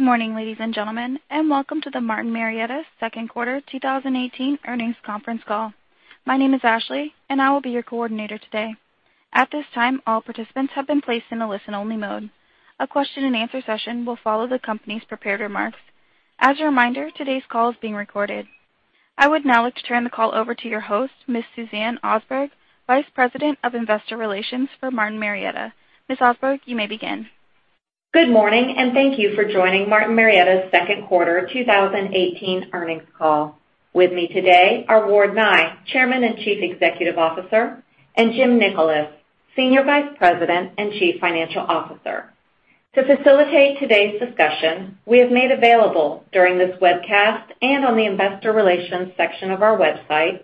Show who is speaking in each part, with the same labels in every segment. Speaker 1: Good morning, ladies and gentlemen, welcome to the Martin Marietta second quarter 2018 earnings conference call. My name is Ashley, and I will be your Coordinator today. At this time, all participants have been placed in a listen-only mode. A question and answer session will follow the company's prepared remarks. As a reminder, today's call is being recorded. I would now like to turn the call over to your host, Ms. Suzanne Osberg, Vice President of Investor Relations for Martin Marietta. Ms. Osberg, you may begin.
Speaker 2: Good morning, thank you for joining Martin Marietta's second quarter 2018 earnings call. With me today are Ward Nye, Chairman and Chief Executive Officer, and Jim Nickolas, Senior Vice President and Chief Financial Officer. To facilitate today's discussion, we have made available during this webcast, and on the investor relations section of our website,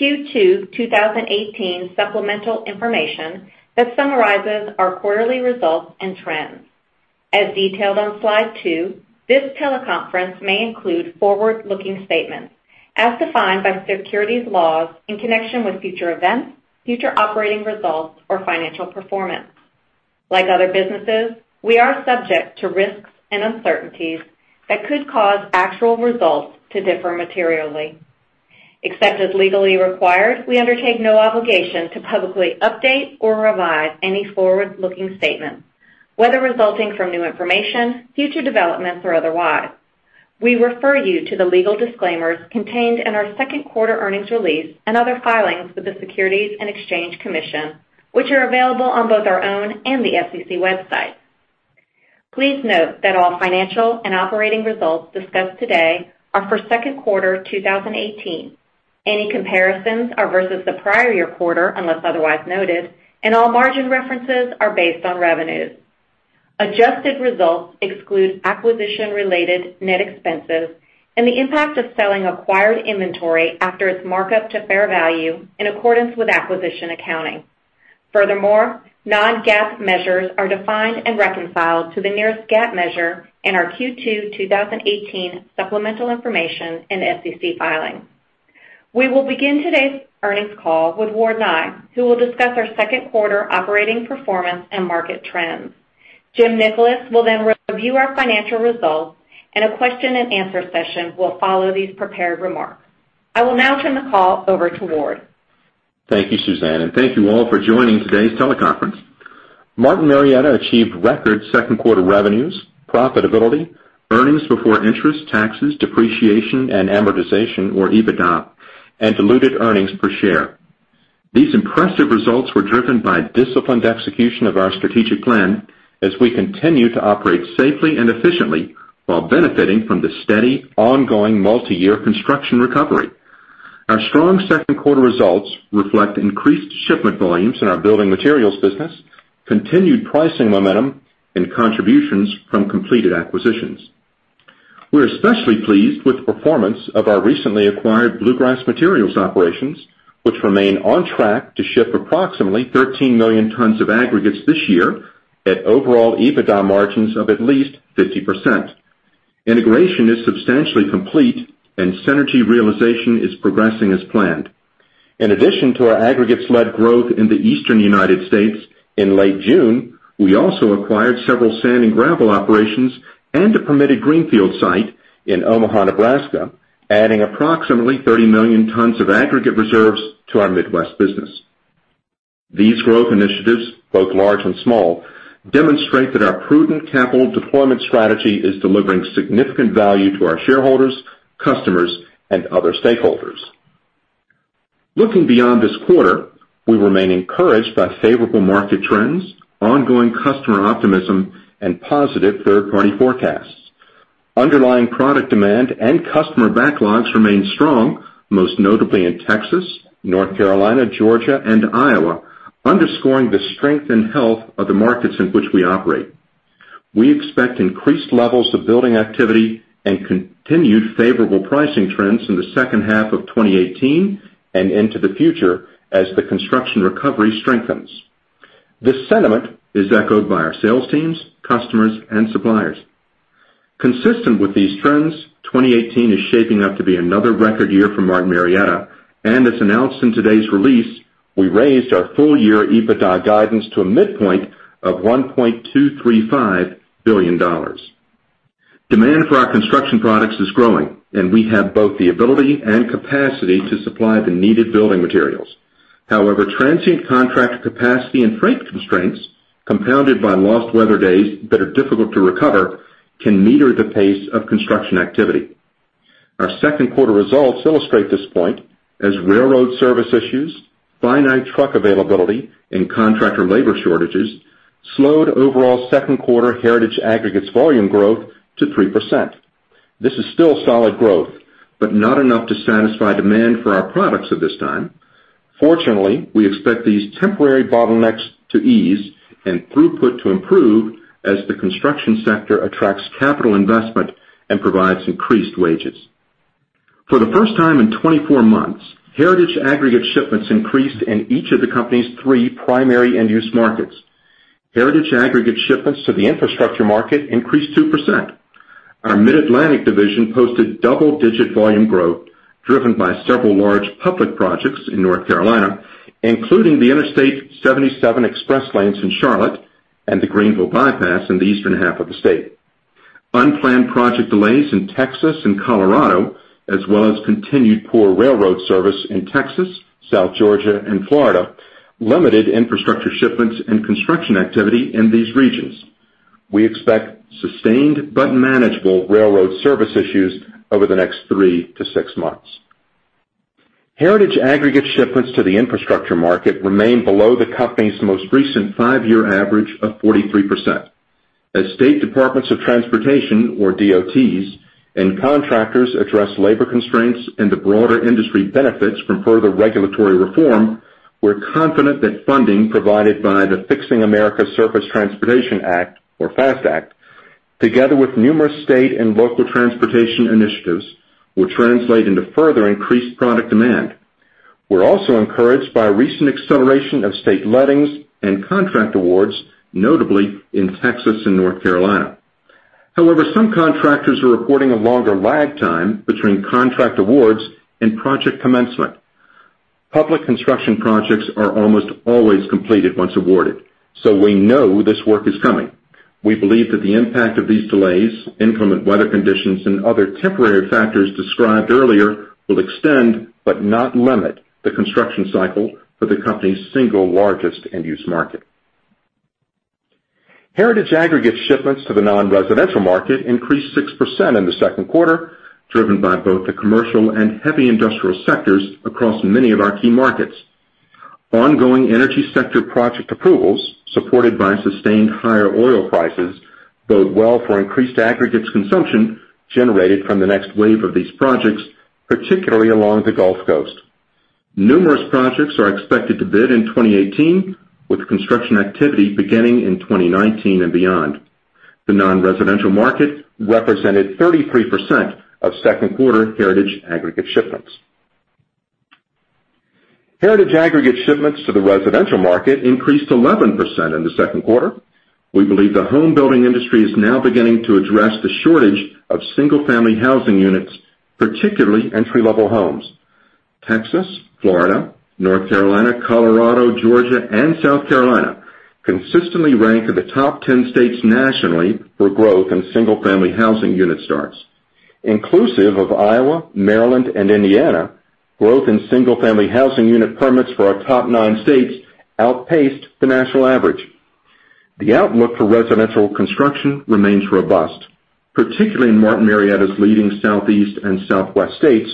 Speaker 2: Q2 2018 supplemental information that summarizes our quarterly results and trends. As detailed on slide two, this teleconference may include forward-looking statements as defined by securities laws in connection with future events, future operating results, or financial performance. Like other businesses, we are subject to risks and uncertainties that could cause actual results to differ materially. Except as legally required, we undertake no obligation to publicly update or revise any forward-looking statements, whether resulting from new information, future developments, or otherwise. We refer you to the legal disclaimers contained in our second quarter earnings release and other filings with the Securities and Exchange Commission, which are available on both our own and the SEC website. Please note that all financial and operating results discussed today are for second quarter 2018. Any comparisons are versus the prior year quarter, unless otherwise noted, and all margin references are based on revenues. Adjusted results exclude acquisition-related net expenses and the impact of selling acquired inventory after its markup to fair value in accordance with acquisition accounting. Furthermore, non-GAAP measures are defined and reconciled to the nearest GAAP measure in our Q2 2018 supplemental information and SEC filing. We will begin today's earnings call with Ward Nye, who will discuss our second quarter operating performance and market trends. Jim Nickolas will then review our financial results, and a question and answer session will follow these prepared remarks. I will now turn the call over to Ward.
Speaker 3: Thank you, Suzanne, and thank you all for joining today's teleconference. Martin Marietta achieved record second quarter revenues, profitability, earnings before interest, taxes, depreciation, and amortization, or EBITDA, and diluted earnings per share. These impressive results were driven by disciplined execution of our strategic plan as we continue to operate safely and efficiently while benefiting from the steady, ongoing multi-year construction recovery. Our strong second quarter results reflect increased shipment volumes in our building materials business, continued pricing momentum, and contributions from completed acquisitions. We're especially pleased with the performance of our recently acquired Bluegrass Materials operations, which remain on track to ship approximately 13 million tons of aggregates this year at overall EBITDA margins of at least 50%. Integration is substantially complete, and synergy realization is progressing as planned. In addition to our aggregates-led growth in the Eastern U.S., in late June, we also acquired several sand and gravel operations and a permitted greenfield site in Omaha, Nebraska, adding approximately 30 million tons of aggregate reserves to our Midwest business. These growth initiatives, both large and small, demonstrate that our prudent capital deployment strategy is delivering significant value to our shareholders, customers, and other stakeholders. Looking beyond this quarter, we remain encouraged by favorable market trends, ongoing customer optimism, and positive third-party forecasts. Underlying product demand and customer backlogs remain strong, most notably in Texas, North Carolina, Georgia, and Iowa, underscoring the strength and health of the markets in which we operate. We expect increased levels of building activity and continued favorable pricing trends in the second half of 2018 and into the future as the construction recovery strengthens. This sentiment is echoed by our sales teams, customers, and suppliers. Consistent with these trends, 2018 is shaping up to be another record year for Martin Marietta, as announced in today's release, we raised our full year EBITDA guidance to a midpoint of $1.235 billion. Demand for our construction products is growing, we have both the ability and capacity to supply the needed building materials. However, transient contract capacity and freight constraints, compounded by lost weather days that are difficult to recover, can meter the pace of construction activity. Our second quarter results illustrate this point, as railroad service issues, finite truck availability, and contractor labor shortages slowed overall second quarter Heritage Aggregates volume growth to 3%. This is still solid growth, not enough to satisfy demand for our products at this time. Fortunately, we expect these temporary bottlenecks to ease and throughput to improve as the construction sector attracts capital investment and provides increased wages. For the first time in 24 months, Heritage Aggregates shipments increased in each of the company's three primary end-use markets. Heritage Aggregates shipments to the infrastructure market increased 2%. Our Mid-Atlantic division posted double-digit volume growth driven by several large public projects in North Carolina, including the Interstate 77 express lanes in Charlotte and the Greenville Bypass in the eastern half of the state. Unplanned project delays in Texas and Colorado, as well as continued poor railroad service in Texas, South Georgia, and Florida, limited infrastructure shipments and construction activity in these regions. We expect sustained, but manageable railroad service issues over the next three to six months. Heritage Aggregates shipments to the infrastructure market remain below the company's most recent five-year average of 43%. As state Departments of Transportation, or DOTs, and contractors address labor constraints and the broader industry benefits from further regulatory reform, we're confident that funding provided by the Fixing America's Surface Transportation Act, or FAST Act, together with numerous state and local transportation initiatives, will translate into further increased product demand. We're also encouraged by recent acceleration of state lettings and contract awards, notably in Texas and North Carolina. Some contractors are reporting a longer lag time between contract awards and project commencement. Public construction projects are almost always completed once awarded, we know this work is coming. We believe that the impact of these delays, inclement weather conditions, and other temporary factors described earlier will extend but not limit the construction cycle for the company's single largest end-use market. Heritage Aggregates shipments to the non-residential market increased 6% in the second quarter, driven by both the commercial and heavy industrial sectors across many of our key markets. Ongoing energy sector project approvals, supported by sustained higher oil prices, bode well for increased aggregates consumption generated from the next wave of these projects, particularly along the Gulf Coast. Numerous projects are expected to bid in 2018, with construction activity beginning in 2019 and beyond. The non-residential market represented 33% of second quarter Heritage Aggregates shipments. Heritage Aggregates shipments to the residential market increased 11% in the second quarter. We believe the home building industry is now beginning to address the shortage of single-family housing units, particularly entry-level homes. Texas, Florida, North Carolina, Colorado, Georgia, and South Carolina consistently rank in the top 10 states nationally for growth in single-family housing unit starts. Inclusive of Iowa, Maryland, and Indiana, growth in single-family housing unit permits for our top nine states outpaced the national average. The outlook for residential construction remains robust, particularly in Martin Marietta's leading Southeast and Southwest states,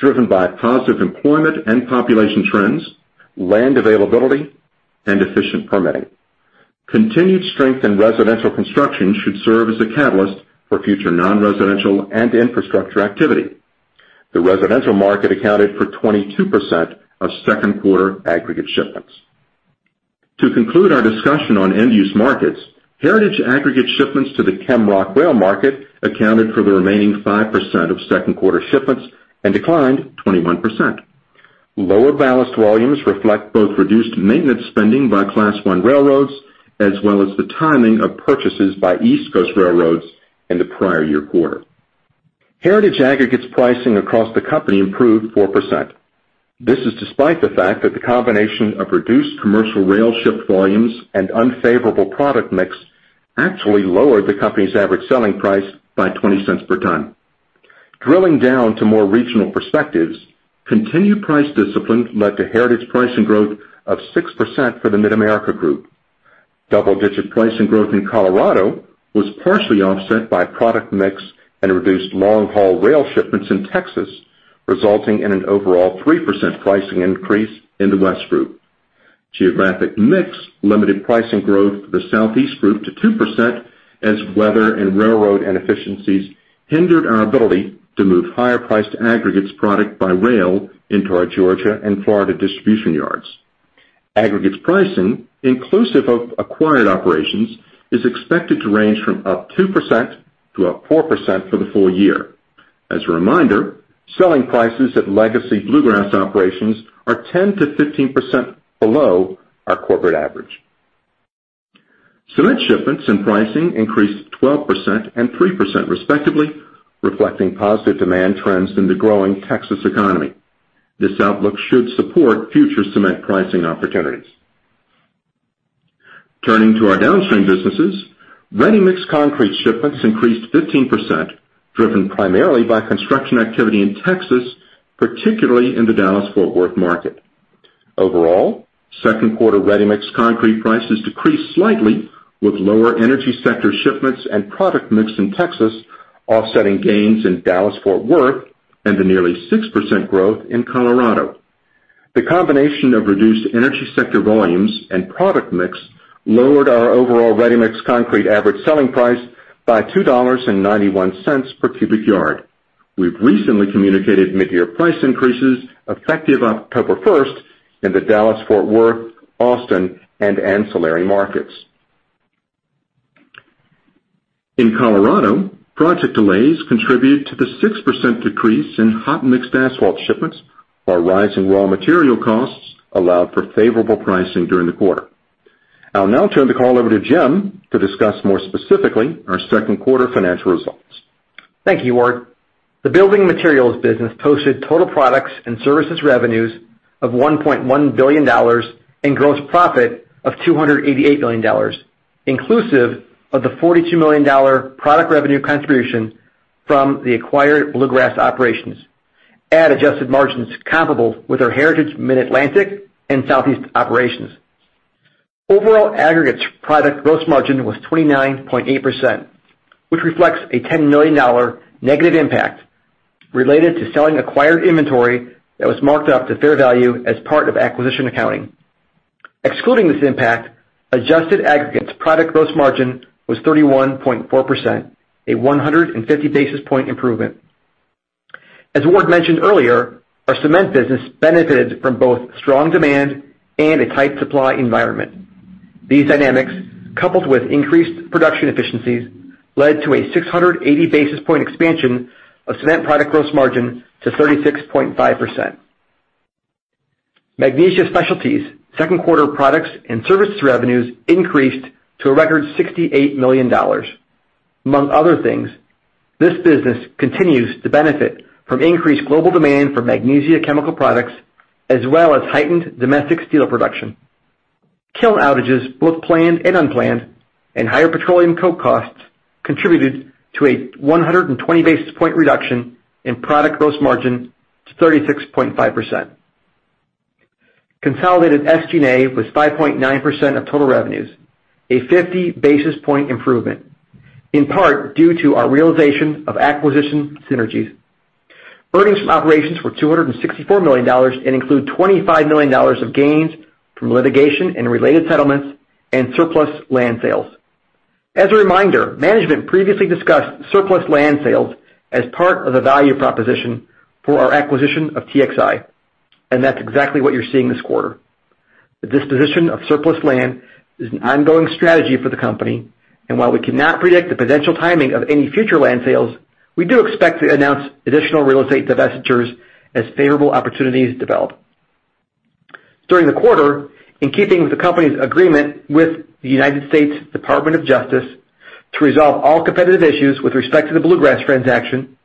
Speaker 3: driven by positive employment and population trends, land availability, and efficient permitting. Continued strength in residential construction should serve as a catalyst for future non-residential and infrastructure activity. The residential market accounted for 22% of second-quarter aggregate shipments. To conclude our discussion on end-use markets, Heritage Aggregates shipments to the ChemRock/Rail market accounted for the remaining 5% of second-quarter shipments and declined 21%. Lower ballast volumes reflect both reduced maintenance spending by Class I railroads, as well as the timing of purchases by East Coast railroads in the prior year quarter. Heritage Aggregates pricing across the company improved 4%. This is despite the fact that the combination of reduced commercial rail ship volumes and unfavorable product mix actually lowered the company's average selling price by $0.20 per ton. Drilling down to more regional perspectives, continued price discipline led to Heritage Aggregates pricing growth of 6% for the Mid-America Group. Double-digit pricing growth in Colorado was partially offset by product mix and reduced long-haul rail shipments in Texas, resulting in an overall 3% pricing increase in the West Group. Geographic mix limited pricing growth for the Southeast Group to 2% as weather and railroad inefficiencies hindered our ability to move higher-priced aggregates product by rail into our Georgia and Florida distribution yards. Aggregates pricing, inclusive of acquired operations, is expected to range from up 2% to up 4% for the full year. As a reminder, selling prices at legacy Bluegrass operations are 10%-15% below our corporate average. Cement shipments and pricing increased 12% and 3% respectively, reflecting positive demand trends in the growing Texas economy. This outlook should support future cement pricing opportunities. Turning to our downstream businesses, ready-mix concrete shipments increased 15%, driven primarily by construction activity in Texas, particularly in the Dallas-Fort Worth market. Overall, second quarter ready-mix concrete prices decreased slightly, with lower energy sector shipments and product mix in Texas offsetting gains in Dallas-Fort Worth and the nearly 6% growth in Colorado. The combination of reduced energy sector volumes and product mix lowered our overall ready-mix concrete average selling price by $2.91 per cubic yard. We've recently communicated mid-year price increases effective October 1st in the Dallas-Fort Worth, Austin, and ancillary markets. In Colorado, project delays contributed to the 6% decrease in hot mixed asphalt shipments, while rising raw material costs allowed for favorable pricing during the quarter. I'll now turn the call over to Jim to discuss more specifically our second quarter financial results.
Speaker 4: Thank you, Ward. The building materials business posted total products and services revenues of $1.1 billion and gross profit of $288 million, inclusive of the $42 million product revenue contribution from the acquired Bluegrass operations, at adjusted margins comparable with our Heritage Mid-Atlantic and Southeast operations. Overall aggregates product gross margin was 29.8%, which reflects a $10 million negative impact related to selling acquired inventory that was marked up to fair value as part of acquisition accounting. Excluding this impact, adjusted aggregates product gross margin was 31.4%, a 150 basis point improvement. As Ward mentioned earlier, our cement business benefited from both strong demand and a tight supply environment. These dynamics, coupled with increased production efficiencies, led to a 680 basis point expansion of cement product gross margin to 36.5%. Magnesia Specialties' second quarter products and services revenues increased to a record $68 million. Among other things, this business continues to benefit from increased global demand for magnesia chemical products, as well as heightened domestic steel production. Kiln outages, both planned and unplanned, and higher petroleum coke costs contributed to a 120 basis point reduction in product gross margin to 36.5%. Consolidated SG&A was 5.9% of total revenues, a 50 basis point improvement, in part due to our realization of acquisition synergies. Earnings from operations were $264 million and include $25 million of gains from litigation and related settlements and surplus land sales. As a reminder, management previously discussed surplus land sales as part of the value proposition for our acquisition of TXI. That's exactly what you're seeing this quarter. The disposition of surplus land is an ongoing strategy for the company, while we cannot predict the potential timing of any future land sales, we do expect to announce additional real estate divestitures as favorable opportunities develop. During the quarter, in keeping with the company's agreement with the United States Department of Justice to resolve all competitive issues with respect to the Bluegrass transaction,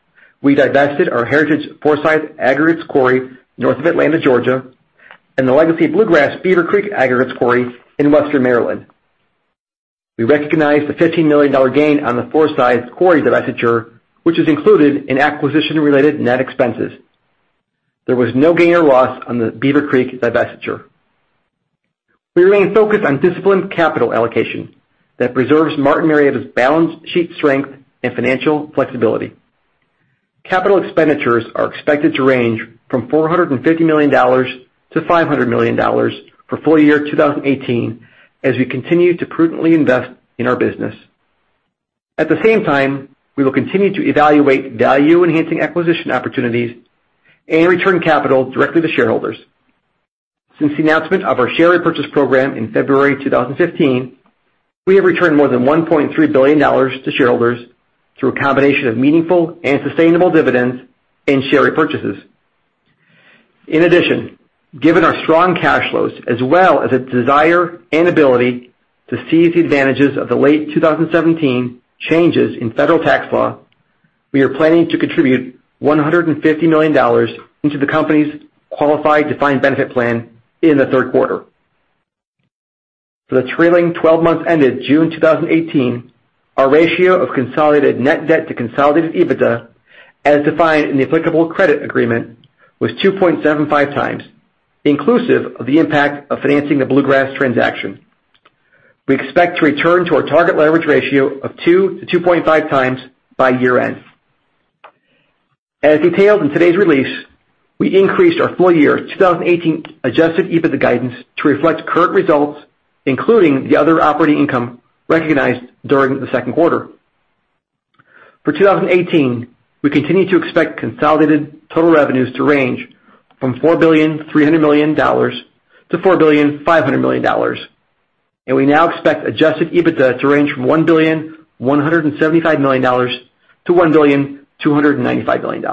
Speaker 4: we divested our Heritage Forsyth aggregates quarry north of Atlanta, Georgia, and the legacy Bluegrass Beaver Creek aggregates quarry in western Maryland. We recognized the $15 million gain on the Forsyth quarry divestiture, which is included in acquisition-related net expenses. There was no gain or loss on the Beaver Creek divestiture. We remain focused on disciplined capital allocation that preserves Martin Marietta's balance sheet strength and financial flexibility. Capital expenditures are expected to range from $450 million-$500 million for full year 2018 as we continue to prudently invest in our business. At the same time, we will continue to evaluate value-enhancing acquisition opportunities and return capital directly to shareholders. Since the announcement of our share repurchase program in February 2015, we have returned more than $1.3 billion to shareholders through a combination of meaningful and sustainable dividends and share repurchases. In addition, given our strong cash flows as well as a desire and ability to seize the advantages of the late 2017 changes in federal tax law, we are planning to contribute $150 million into the company's qualified defined benefit plan in the third quarter. For the trailing 12 months ended June 2018, our ratio of consolidated net debt to consolidated EBITDA, as defined in the applicable credit agreement, was 2.75 times, inclusive of the impact of financing the Bluegrass transaction. We expect to return to our target leverage ratio of 2-2.5 times by year-end. As detailed in today's release, we increased our full year 2018 adjusted EBITDA guidance to reflect current results, including the other operating income recognized during the second quarter. For 2018, we continue to expect consolidated total revenues to range from $4.3 billion-$4.5 billion, and we now expect adjusted EBITDA to range from $1.175 billion-$1.295 billion.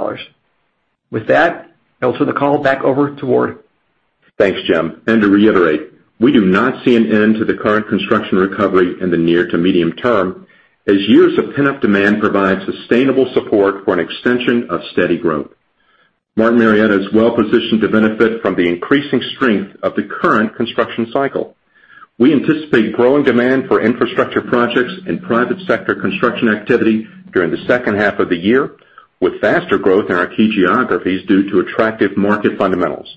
Speaker 4: With that, I will turn the call back over to Ward.
Speaker 3: Thanks, Jim. To reiterate, we do not see an end to the current construction recovery in the near to medium term, as years of pent-up demand provide sustainable support for an extension of steady growth. Martin Marietta is well positioned to benefit from the increasing strength of the current construction cycle. We anticipate growing demand for infrastructure projects and private sector construction activity during the second half of the year, with faster growth in our key geographies due to attractive market fundamentals.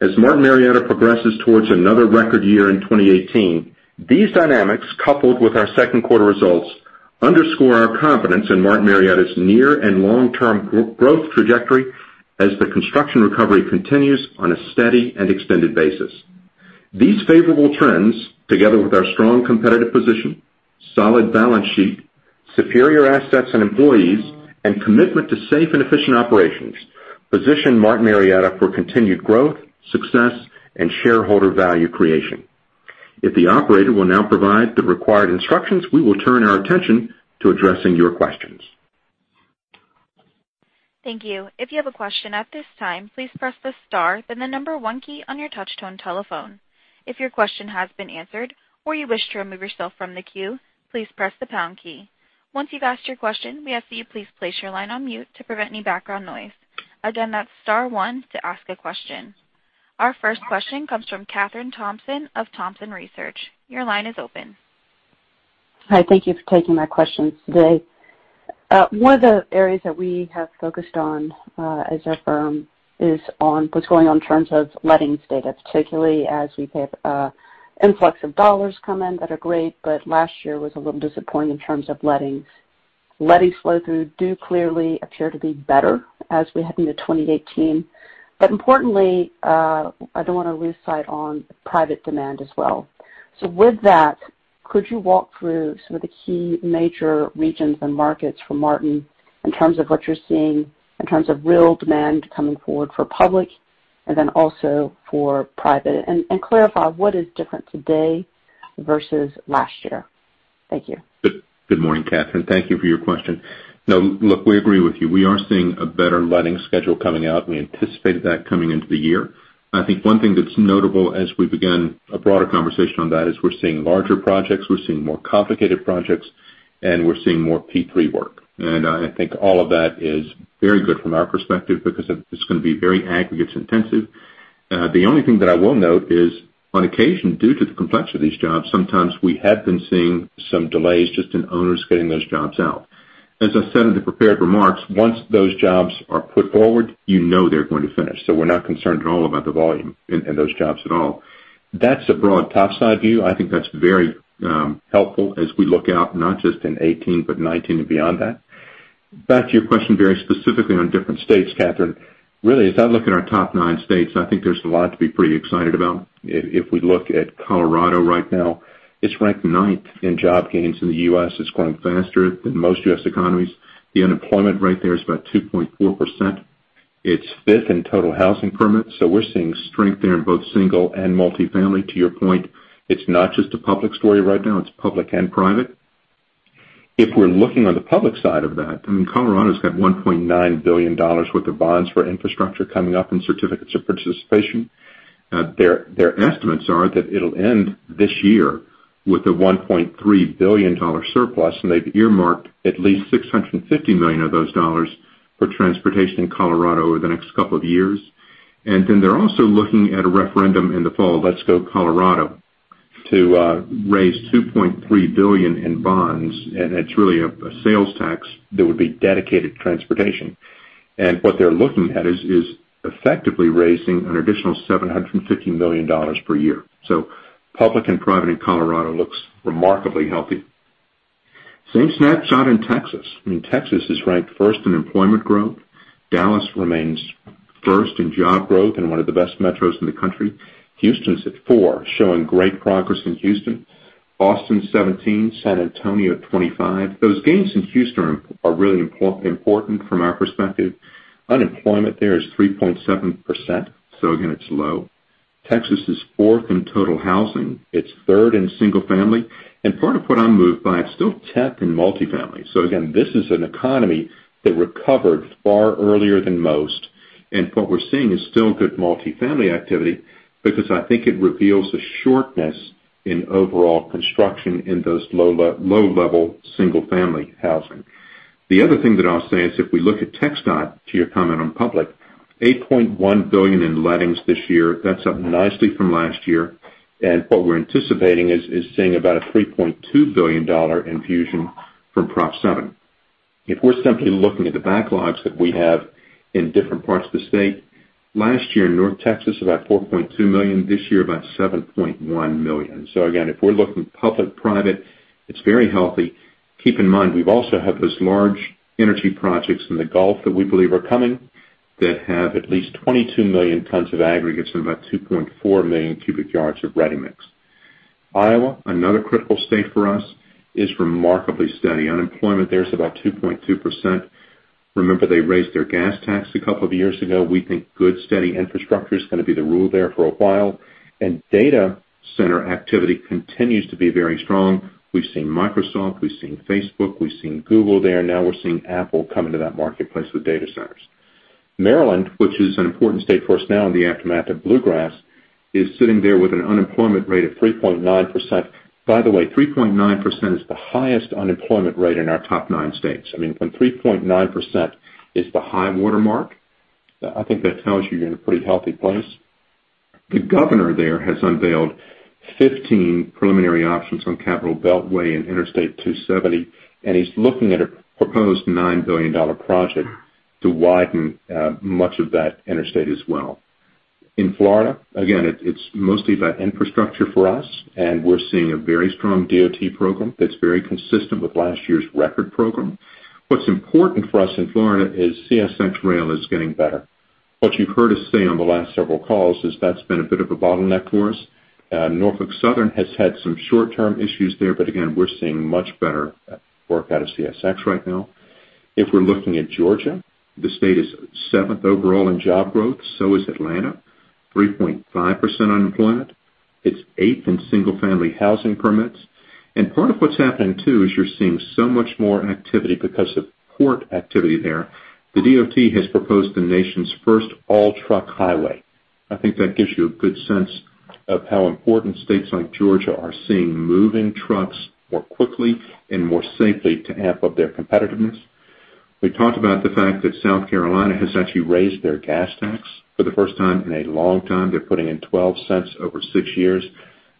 Speaker 3: As Martin Marietta progresses towards another record year in 2018, these dynamics, coupled with our second quarter results, underscore our confidence in Martin Marietta's near and long-term growth trajectory as the construction recovery continues on a steady and extended basis. These favorable trends, together with our strong competitive position, solid balance sheet, superior assets and employees, and commitment to safe and efficient operations, position Martin Marietta for continued growth, success, and shareholder value creation. If the operator will now provide the required instructions, we will turn our attention to addressing your questions.
Speaker 1: Thank you. If you have a question at this time, please press the star, then the 1 key on your touchtone telephone. If your question has been answered or you wish to remove yourself from the queue, please press the pound key. Once you've asked your question, we ask that you please place your line on mute to prevent any background noise. Again, that's star 1 to ask a question. Our first question comes from Kathryn Thompson of Thompson Research. Your line is open.
Speaker 5: Hi. Thank you for taking my questions today. One of the areas that we have focused on, as a firm, is on what's going on in terms of lettings data, particularly as we have an influx of dollars come in that are great, but last year was a little disappointing in terms of lettings. Letting flow-through do clearly appear to be better as we head into 2018. Importantly, I don't want to lose sight on private demand as well. With that, could you walk through some of the key major regions and markets for Martin in terms of what you're seeing, in terms of real demand coming forward for public, and then also for private? And clarify what is different today versus last year. Thank you.
Speaker 3: Good morning, Kathryn. Thank you for your question. Look, we agree with you. We are seeing a better letting schedule coming out. We anticipated that coming into the year. I think one thing that's notable as we begin a broader conversation on that is we're seeing larger projects, we're seeing more complicated projects, and we're seeing more P3 work. I think all of that is very good from our perspective because it's going to be very aggregates intensive. The only thing that I will note is, on occasion, due to the complexity of these jobs, sometimes we have been seeing some delays just in owners getting those jobs out. As I said in the prepared remarks, once those jobs are put forward, you know they're going to finish. We're not concerned at all about the volume in those jobs at all. That's a broad top side view. I think that's very helpful as we look out not just in 2018, but 2019 and beyond that. Back to your question very specifically on different states, Kathryn. Really, as I look at our top nine states, I think there's a lot to be pretty excited about. If we look at Colorado right now, it's ranked ninth in job gains in the U.S. It's growing faster than most U.S. economies. The unemployment rate there is about 2.4%. It's fifth in total housing permits. We're seeing strength there in both single and multi-family. To your point, it's not just a public story right now. It's public and private. If we're looking on the public side of that, Colorado's got $1.9 billion worth of bonds for infrastructure coming up in certificates of participation. Their estimates are that it'll end this year with a $1.3 billion surplus, they've earmarked at least $650 million of those dollars for transportation in Colorado over the next couple of years. They're also looking at a referendum in the fall, Let's Go Colorado, to raise $2.3 billion in bonds, it's really a sales tax that would be dedicated to transportation. What they're looking at is effectively raising an additional $750 million per year. Public and private in Colorado looks remarkably healthy. Same snapshot in Texas. Texas is ranked first in employment growth. Dallas remains first in job growth and one of the best metros in the country. Houston's at four, showing great progress in Houston. Austin, 17. San Antonio at 25. Those gains in Houston are really important from our perspective. Unemployment there is 3.7%. Again, it's low. Texas is fourth in total housing. It's third in single family. Part of what I'm moved by, it's still 10th in multi-family. Again, this is an economy that recovered far earlier than most, and what we're seeing is still good multi-family activity because I think it reveals a shortness in overall construction in those low-level single-family housing. The other thing that I'll say is if we look at TxDOT, to your comment on public, $8.1 billion in lettings this year. That's up nicely from last year. What we're anticipating is seeing about a $3.2 billion infusion from Proposition 7. If we're simply looking at the backlogs that we have in different parts of the state, last year in North Texas, about $4.2 million. This year, about $7.1 million. Again, if we're looking public, private, it's very healthy. Keep in mind, we've also had those large energy projects in the Gulf that we believe are coming that have at least 22 million tons of aggregates and about 2.4 million cubic yards of ready mix. Iowa, another critical state for us, is remarkably steady. Unemployment there is about 2.2%. Remember, they raised their gas tax a couple of years ago. We think good, steady infrastructure is going to be the rule there for a while. Data center activity continues to be very strong. We've seen Microsoft, we've seen Facebook, we've seen Google there. Now we're seeing Apple come into that marketplace with data centers. Maryland, which is an important state for us now in the aftermath of Bluegrass, is sitting there with an unemployment rate of 3.9%. By the way, 3.9% is the highest unemployment rate in our top nine states. When 3.9% is the high watermark, I think that tells you you're in a pretty healthy place. The governor there has unveiled 15 preliminary options on Capital Beltway and Interstate 270. He's looking at a proposed $9 billion project to widen much of that interstate as well. In Florida, again, it's mostly about infrastructure for us. We're seeing a very strong DOT program that's very consistent with last year's record program. What's important for us in Florida is CSX rail is getting better. What you've heard us say on the last several calls is that's been a bit of a bottleneck for us. Norfolk Southern has had some short-term issues there, but again, we're seeing much better work out of CSX right now. If we're looking at Georgia, the state is seventh overall in job growth. Atlanta. 3.5% unemployment. It's eighth in single-family housing permits. Part of what's happening too is you're seeing so much more in activity because of port activity there. The DOT has proposed the nation's first all-truck highway. I think that gives you a good sense of how important states like Georgia are seeing moving trucks more quickly and more safely to amp up their competitiveness. We talked about the fact that South Carolina has actually raised their gas tax for the first time in a long time. They're putting in $0.12 over six years.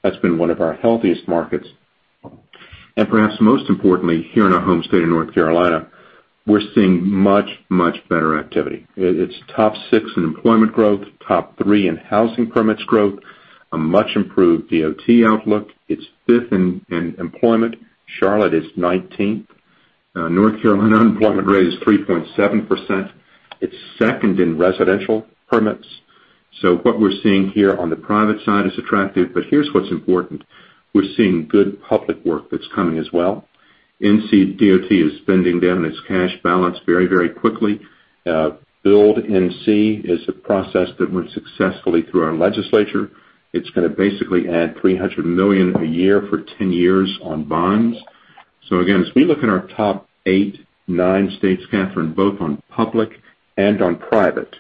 Speaker 3: That's been one of our healthiest markets. Perhaps most importantly, here in our home state of North Carolina, we're seeing much, much better activity. It's top six in employment growth, top three in housing permits growth, a much-improved DOT outlook. It's fifth in employment. Charlotte is 19th. North Carolina unemployment rate is 3.7%. It's second in residential permits. What we're seeing here on the private side is attractive, but here's what's important, we're seeing good public work that's coming as well. N.C. DOT is spending down its cash balance very, very quickly. Build NC is a process that went successfully through our legislature. It's going to basically add $300 million a year for 10 years on bonds. Again, as we look in our top eight, nine states, Kathryn, both on public and on private,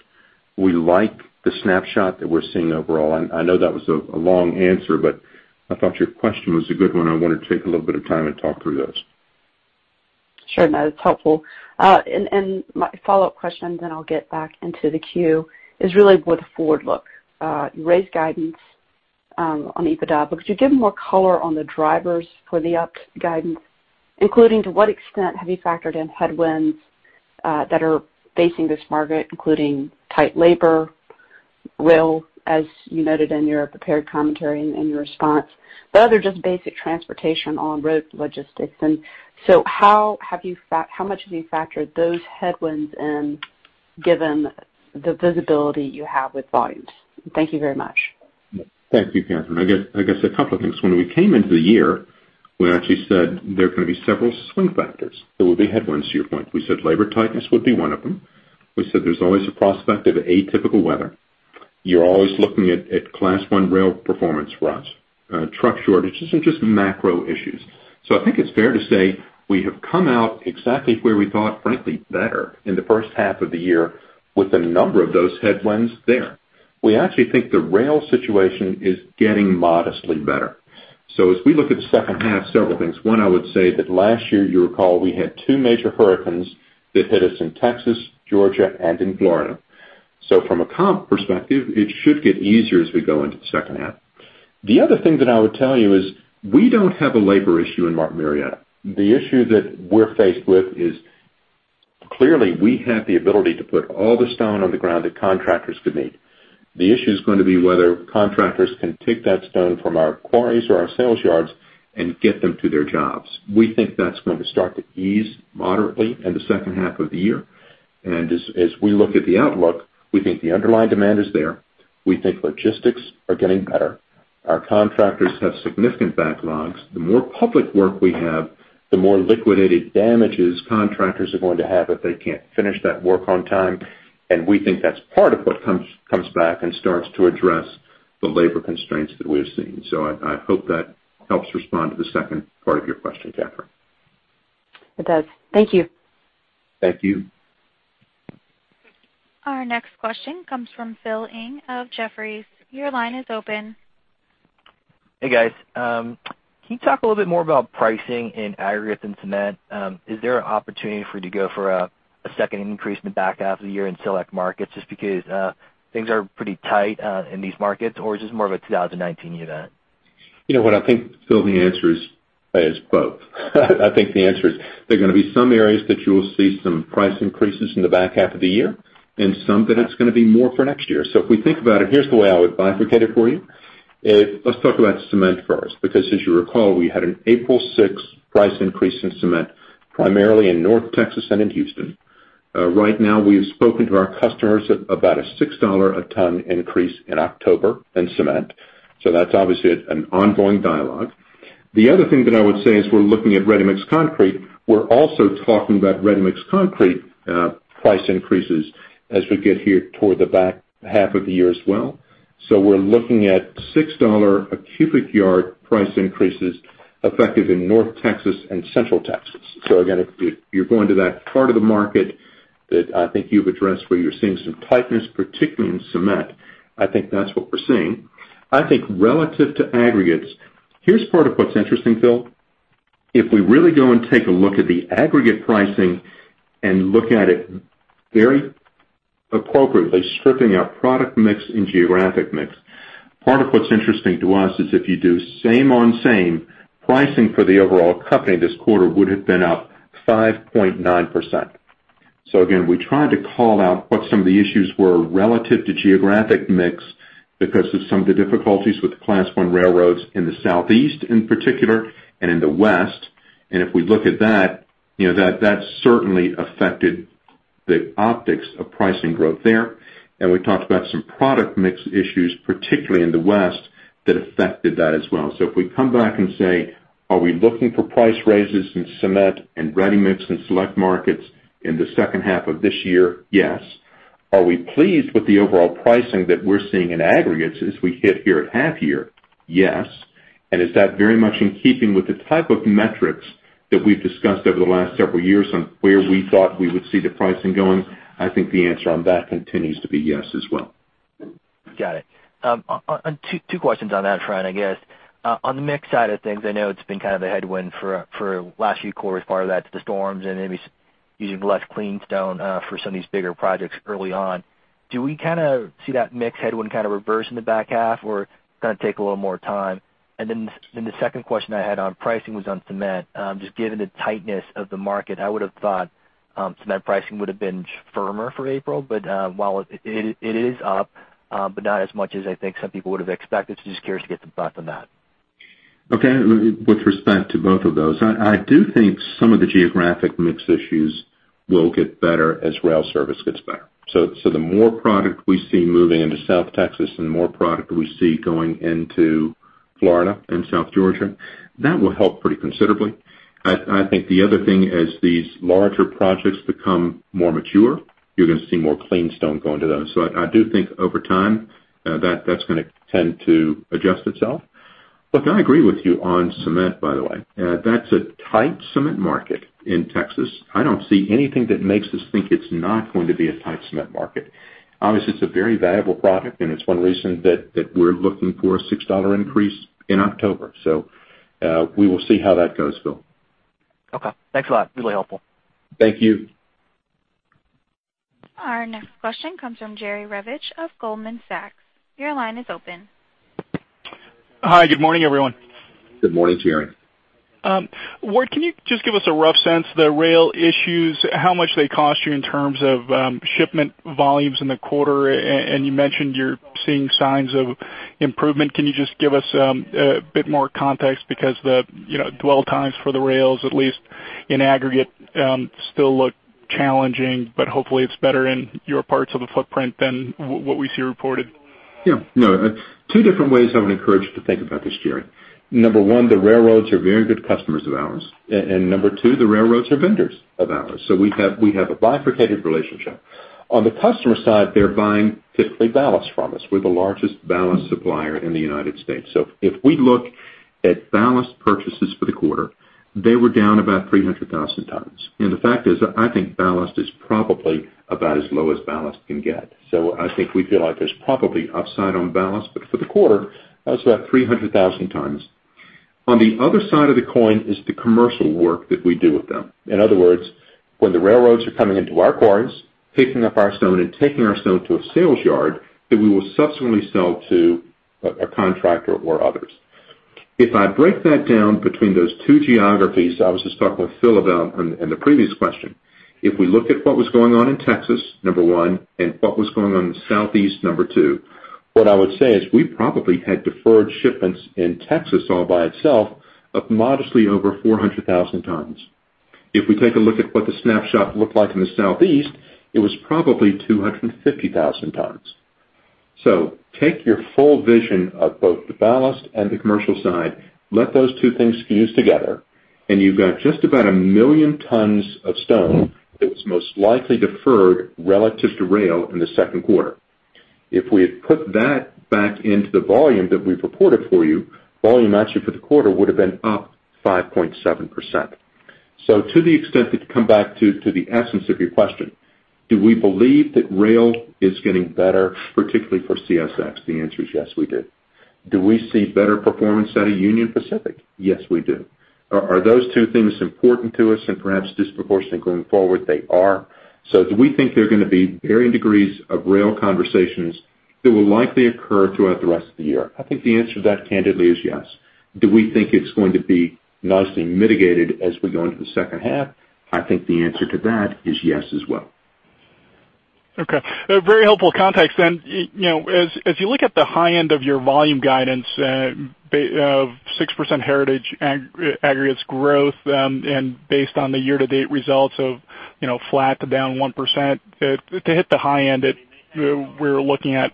Speaker 3: we like the snapshot that we're seeing overall. I know that was a long answer, but I thought your question was a good one. I wanted to take a little bit of time and talk through those.
Speaker 5: Sure, no, that's helpful. My follow-up question then I'll get back into the queue, is really with the forward look. You raised guidance on EBITDA, but could you give more color on the drivers for the up guidance, including to what extent have you factored in headwinds that are facing this market, including tight labor, rail, as you noted in your prepared commentary and in your response, but other just basic transportation on road logistics. How much have you factored those headwinds in given the visibility you have with volumes? Thank you very much.
Speaker 3: Thank you, Kathryn. I guess a couple of things. When we came into the year, we actually said there are going to be several swing factors. There will be headwinds, to your point. We said labor tightness would be one of them. We said there's always a prospect of atypical weather. You're always looking at Class I rail performance for us. Truck shortages and just macro issues. I think it's fair to say we have come out exactly where we thought, frankly, better in the first half of the year with a number of those headwinds there. We actually think the rail situation is getting modestly better. As we look at the second half, several things. One, I would say that last year, you recall, we had two major hurricanes that hit us in Texas, Georgia, and in Florida. From a comp perspective, it should get easier as we go into the second half. The other thing that I would tell you is we don't have a labor issue in Martin Marietta. The issue that we're faced with is clearly we have the ability to put all the stone on the ground that contractors could need. The issue is going to be whether contractors can take that stone from our quarries or our sales yards and get them to their jobs. We think that's going to start to ease moderately in the second half of the year. As we look at the outlook, we think the underlying demand is there. We think logistics are getting better. Our contractors have significant backlogs. The more public work we have, the more liquidated damages contractors are going to have if they can't finish that work on time, and we think that's part of what comes back and starts to address the labor constraints that we're seeing. I hope that helps respond to the second part of your question, Kathryn.
Speaker 5: It does. Thank you.
Speaker 3: Thank you.
Speaker 1: Our next question comes from Philip Ng of Jefferies. Your line is open.
Speaker 6: Hey, guys. Can you talk a little bit more about pricing in aggregates and cement? Is there an opportunity for you to go for a second increase in the back half of the year in select markets just because things are pretty tight in these markets? Or is this more of a 2019 event?
Speaker 3: You know what? I think, Phil, the answer is both. I think the answer is there are going to be some areas that you will see some price increases in the back half of the year and some that it's going to be more for next year. If we think about it, here's the way I would bifurcate it for you. Let's talk about cement first, because as you recall, we had an April 6 price increase in cement, primarily in North Texas and in Houston. Right now, we have spoken to our customers about a $6 a ton increase in October in cement. That's obviously an ongoing dialogue. The other thing that I would say is we're looking at ready-mix concrete. We're also talking about ready-mix concrete price increases as we get here toward the back half of the year as well. We're looking at $6 a cubic yard price increases effective in North Texas and Central Texas. Again, if you're going to that part of the market that I think you've addressed where you're seeing some tightness, particularly in cement, I think that's what we're seeing. I think relative to aggregates, here's part of what's interesting, Phil. If we really go and take a look at the aggregate pricing and look at it very appropriately, stripping our product mix and geographic mix, part of what's interesting to us is if you do same on same, pricing for the overall company this quarter would have been up 5.9%. Again, we tried to call out what some of the issues were relative to geographic mix because of some of the difficulties with the Class I railroads in the Southeast in particular and in the West. If we look at that certainly affected the optics of pricing growth there. We talked about some product mix issues, particularly in the West, that affected that as well. If we come back and say, are we looking for price raises in cement and ready-mix in select markets in the second half of this year? Yes. Are we pleased with the overall pricing that we're seeing in aggregates as we hit here at half year? Yes. Is that very much in keeping with the type of metrics that we've discussed over the last several years on where we thought we would see the pricing going? I think the answer on that continues to be yes as well.
Speaker 6: Got it. Two questions on that front, I guess. On the mix side of things, I know it's been kind of a headwind for last few quarters. Part of that's the storms and maybe using less clean stone for some of these bigger projects early on. Do we kind of see that mix headwind kind of reverse in the back half or it's going to take a little more time? Then the second question I had on pricing was on cement. Just given the tightness of the market, I would have thought cement pricing would have been firmer for April, but while it is up, but not as much as I think some people would have expected. Just curious to get the thought on that.
Speaker 3: Okay. With respect to both of those, I do think some of the geographic mix issues will get better as rail service gets better. The more product we see moving into South Texas and the more product we see going into Florida and South Georgia, that will help pretty considerably. I think the other thing, as these larger projects become more mature, you're going to see more clean stone go into those. I do think over time, that's going to tend to adjust itself. Look, I agree with you on cement, by the way. That's a tight cement market in Texas. I don't see anything that makes us think it's not going to be a tight cement market. Obviously, it's a very valuable product, and it's one reason that we're looking for a $6 increase in October. We will see how that goes, Phil.
Speaker 6: Okay. Thanks a lot. Really helpful.
Speaker 3: Thank you.
Speaker 1: Our next question comes from Jerry Revich of Goldman Sachs. Your line is open.
Speaker 7: Hi. Good morning, everyone.
Speaker 3: Good morning, Jerry.
Speaker 7: Ward, can you just give us a rough sense, the rail issues, how much they cost you in terms of shipment volumes in the quarter? You mentioned you're seeing signs of improvement. Can you just give us a bit more context? The dwell times for the rails, at least in aggregate, still look challenging, but hopefully it's better in your parts of the footprint than what we see reported.
Speaker 3: No, two different ways I would encourage you to think about this, Jerry. Number 1, the railroads are very good customers of ours. Number 2, the railroads are vendors of ours. We have a bifurcated relationship. On the customer side, they're buying, typically, ballast from us. We're the largest ballast supplier in the United States. If we look at ballast purchases for the quarter, they were down about 300,000 tons. The fact is, I think ballast is probably about as low as ballast can get. I think we feel like there's probably upside on ballast. For the quarter, that's about 300,000 tons. On the other side of the coin is the commercial work that we do with them. In other words, when the railroads are coming into our quarries, picking up our stone and taking our stone to a sales yard, that we will subsequently sell to a contractor or others. If I break that down between those two geographies, I was just talking with Phil about in the previous question, if we looked at what was going on in Texas, Number 1, and what was going on in the Southeast, Number 2, what I would say is we probably had deferred shipments in Texas all by itself of modestly over 400,000 tons. If we take a look at what the snapshot looked like in the Southeast, it was probably 250,000 tons. Take your full vision of both the ballast and the commercial side, let those two things fuse together, and you've got just about 1 million tons of stone that was most likely deferred relative to rail in the second quarter. If we had put that back into the volume that we reported for you, volume actually for the quarter would have been up 5.7%. To the extent that you come back to the essence of your question, do we believe that rail is getting better, particularly for CSX? The answer is yes, we do. Do we see better performance out of Union Pacific? Yes, we do. Are those two things important to us and perhaps disproportionately going forward? They are. Do we think there are going to be varying degrees of rail conversations that will likely occur throughout the rest of the year? I think the answer to that, candidly, is yes. Do we think it's going to be nicely mitigated as we go into the second half? I think the answer to that is yes as well.
Speaker 7: Okay. Very helpful context then. As you look at the high end of your volume guidance of 6% Heritage aggregates growth and based on the year-to-date results of flat to down 1%, to hit the high end, we're looking at,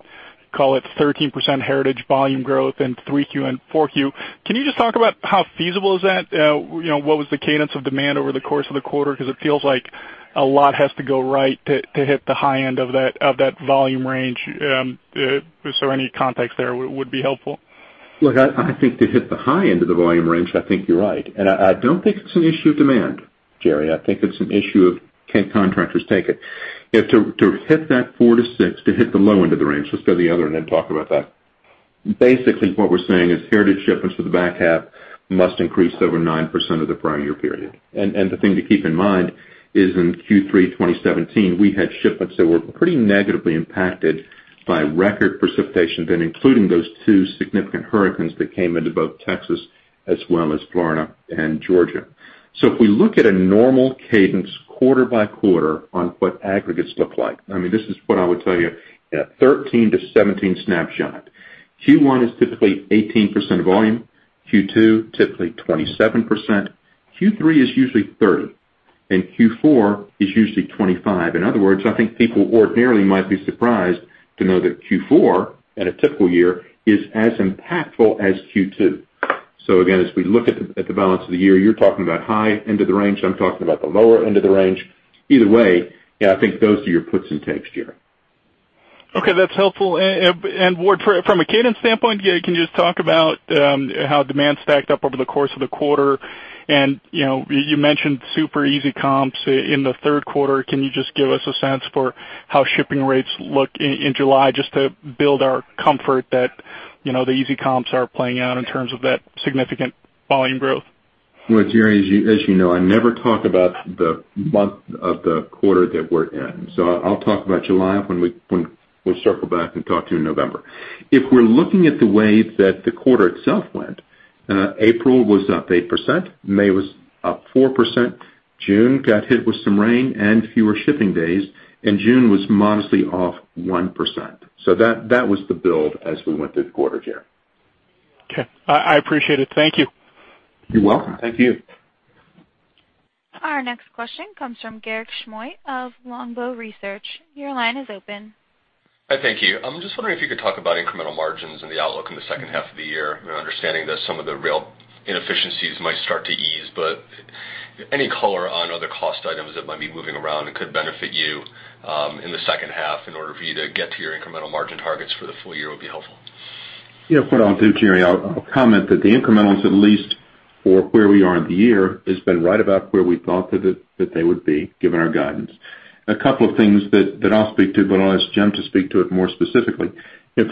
Speaker 7: call it, 13% Heritage volume growth in three Q and four Q. Can you just talk about how feasible is that? What was the cadence of demand over the course of the quarter? Because it feels like a lot has to go right to hit the high end of that volume range. Any context there would be helpful.
Speaker 3: Look, I think to hit the high end of the volume range, I think you're right. I don't think it's an issue of demand, Jerry. I think it's an issue of can contractors take it? To hit that 4-6, to hit the low end of the range, let's go to the other and then talk about that. Basically, what we're saying is Heritage shipments for the back half must increase over 9% of the prior year period. The thing to keep in mind is in Q3 2017, we had shipments that were pretty negatively impacted by record precipitation, then including those two significant hurricanes that came into both Texas as well as Florida and Georgia. If we look at a normal cadence quarter by quarter on what aggregates look like, this is what I would tell you at 13-17 snapshot. Q1 is typically 18% volume. Q2, typically 27%. Q3 is usually 30%, Q4 is usually 25%. In other words, I think people ordinarily might be surprised to know that Q4, at a typical year, is as impactful as Q2. Again, as we look at the balance of the year, you're talking about high end of the range, I'm talking about the lower end of the range. Either way, yeah, I think those are your puts and takes, Jerry.
Speaker 7: Okay. That's helpful. Ward, from a cadence standpoint, can you just talk about how demand stacked up over the course of the quarter? You mentioned super easy comps in the third quarter. Can you just give us a sense for how shipping rates look in July, just to build our comfort that the easy comps are playing out in terms of that significant volume growth?
Speaker 3: Well, Jerry, as you know, I never talk about the month of the quarter that we're in. I'll talk about July when we circle back and talk to you in November. If we're looking at the way that the quarter itself went, April was up 8%, May was up 4%, June got hit with some rain and fewer shipping days, and June was modestly off 1%. That was the build as we went through the quarter, Jerry.
Speaker 7: Okay. I appreciate it. Thank you.
Speaker 3: You're welcome. Thank you.
Speaker 1: Our next question comes from Garik Shmois of Longbow Research. Your line is open.
Speaker 8: Hi, thank you. I'm just wondering if you could talk about incremental margins and the outlook in the second half of the year, understanding that some of the rail inefficiencies might start to ease, but any color on other cost items that might be moving around and could benefit you in the second half in order for you to get to your incremental margin targets for the full year would be helpful.
Speaker 3: Yeah. What I'll do, Jerry, I'll comment that the incrementals, at least for where we are in the year, has been right about where we thought that they would be given our guidance. A couple of things that I'll speak to, but I'll ask Jim to speak to it more specifically.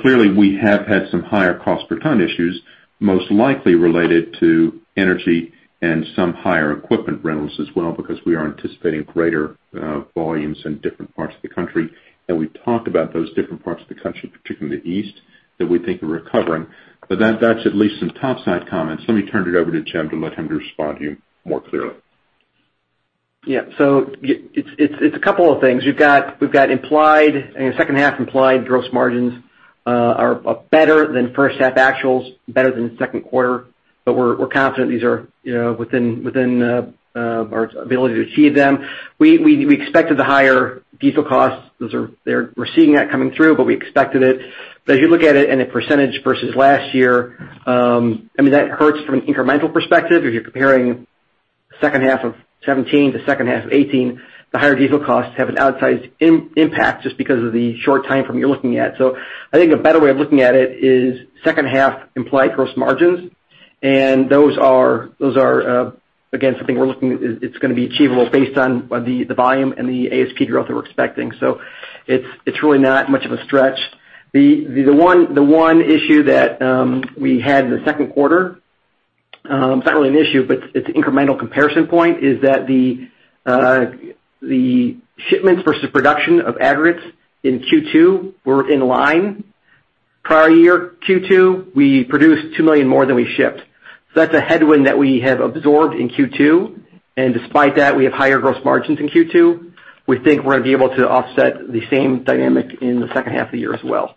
Speaker 3: Clearly we have had some higher cost per ton issues, most likely related to energy and some higher equipment rentals as well because we are anticipating greater volumes in different parts of the country. We've talked about those different parts of the country, particularly the East, that we think are recovering. That's at least some top side comments. Let me turn it over to Jim to let him respond to you more clearly.
Speaker 4: Yeah. It's a couple of things. We've got second half implied gross margins are better than first half actuals, better than second quarter, we're confident these are within our ability to achieve them. We expected the higher diesel costs. We're seeing that coming through, we expected it. As you look at it in a percentage versus last year, that hurts from an incremental perspective. If you're comparing second half of 2017 to second half of 2018, the higher diesel costs have an outsized impact just because of the short timeframe you're looking at. I think a better way of looking at it is second half implied gross margins. Those are, again, something we're looking at it's going to be achievable based on the volume and the ASP growth that we're expecting. It's really not much of a stretch. The one issue that we had in the second quarter, it's not really an issue, but it's incremental comparison point, is that the shipments versus production of aggregates in Q2 were in line. Prior year Q2, we produced 2 million more than we shipped. That's a headwind that we have absorbed in Q2, and despite that, we have higher gross margins in Q2. We think we're going to be able to offset the same dynamic in the second half of the year as well.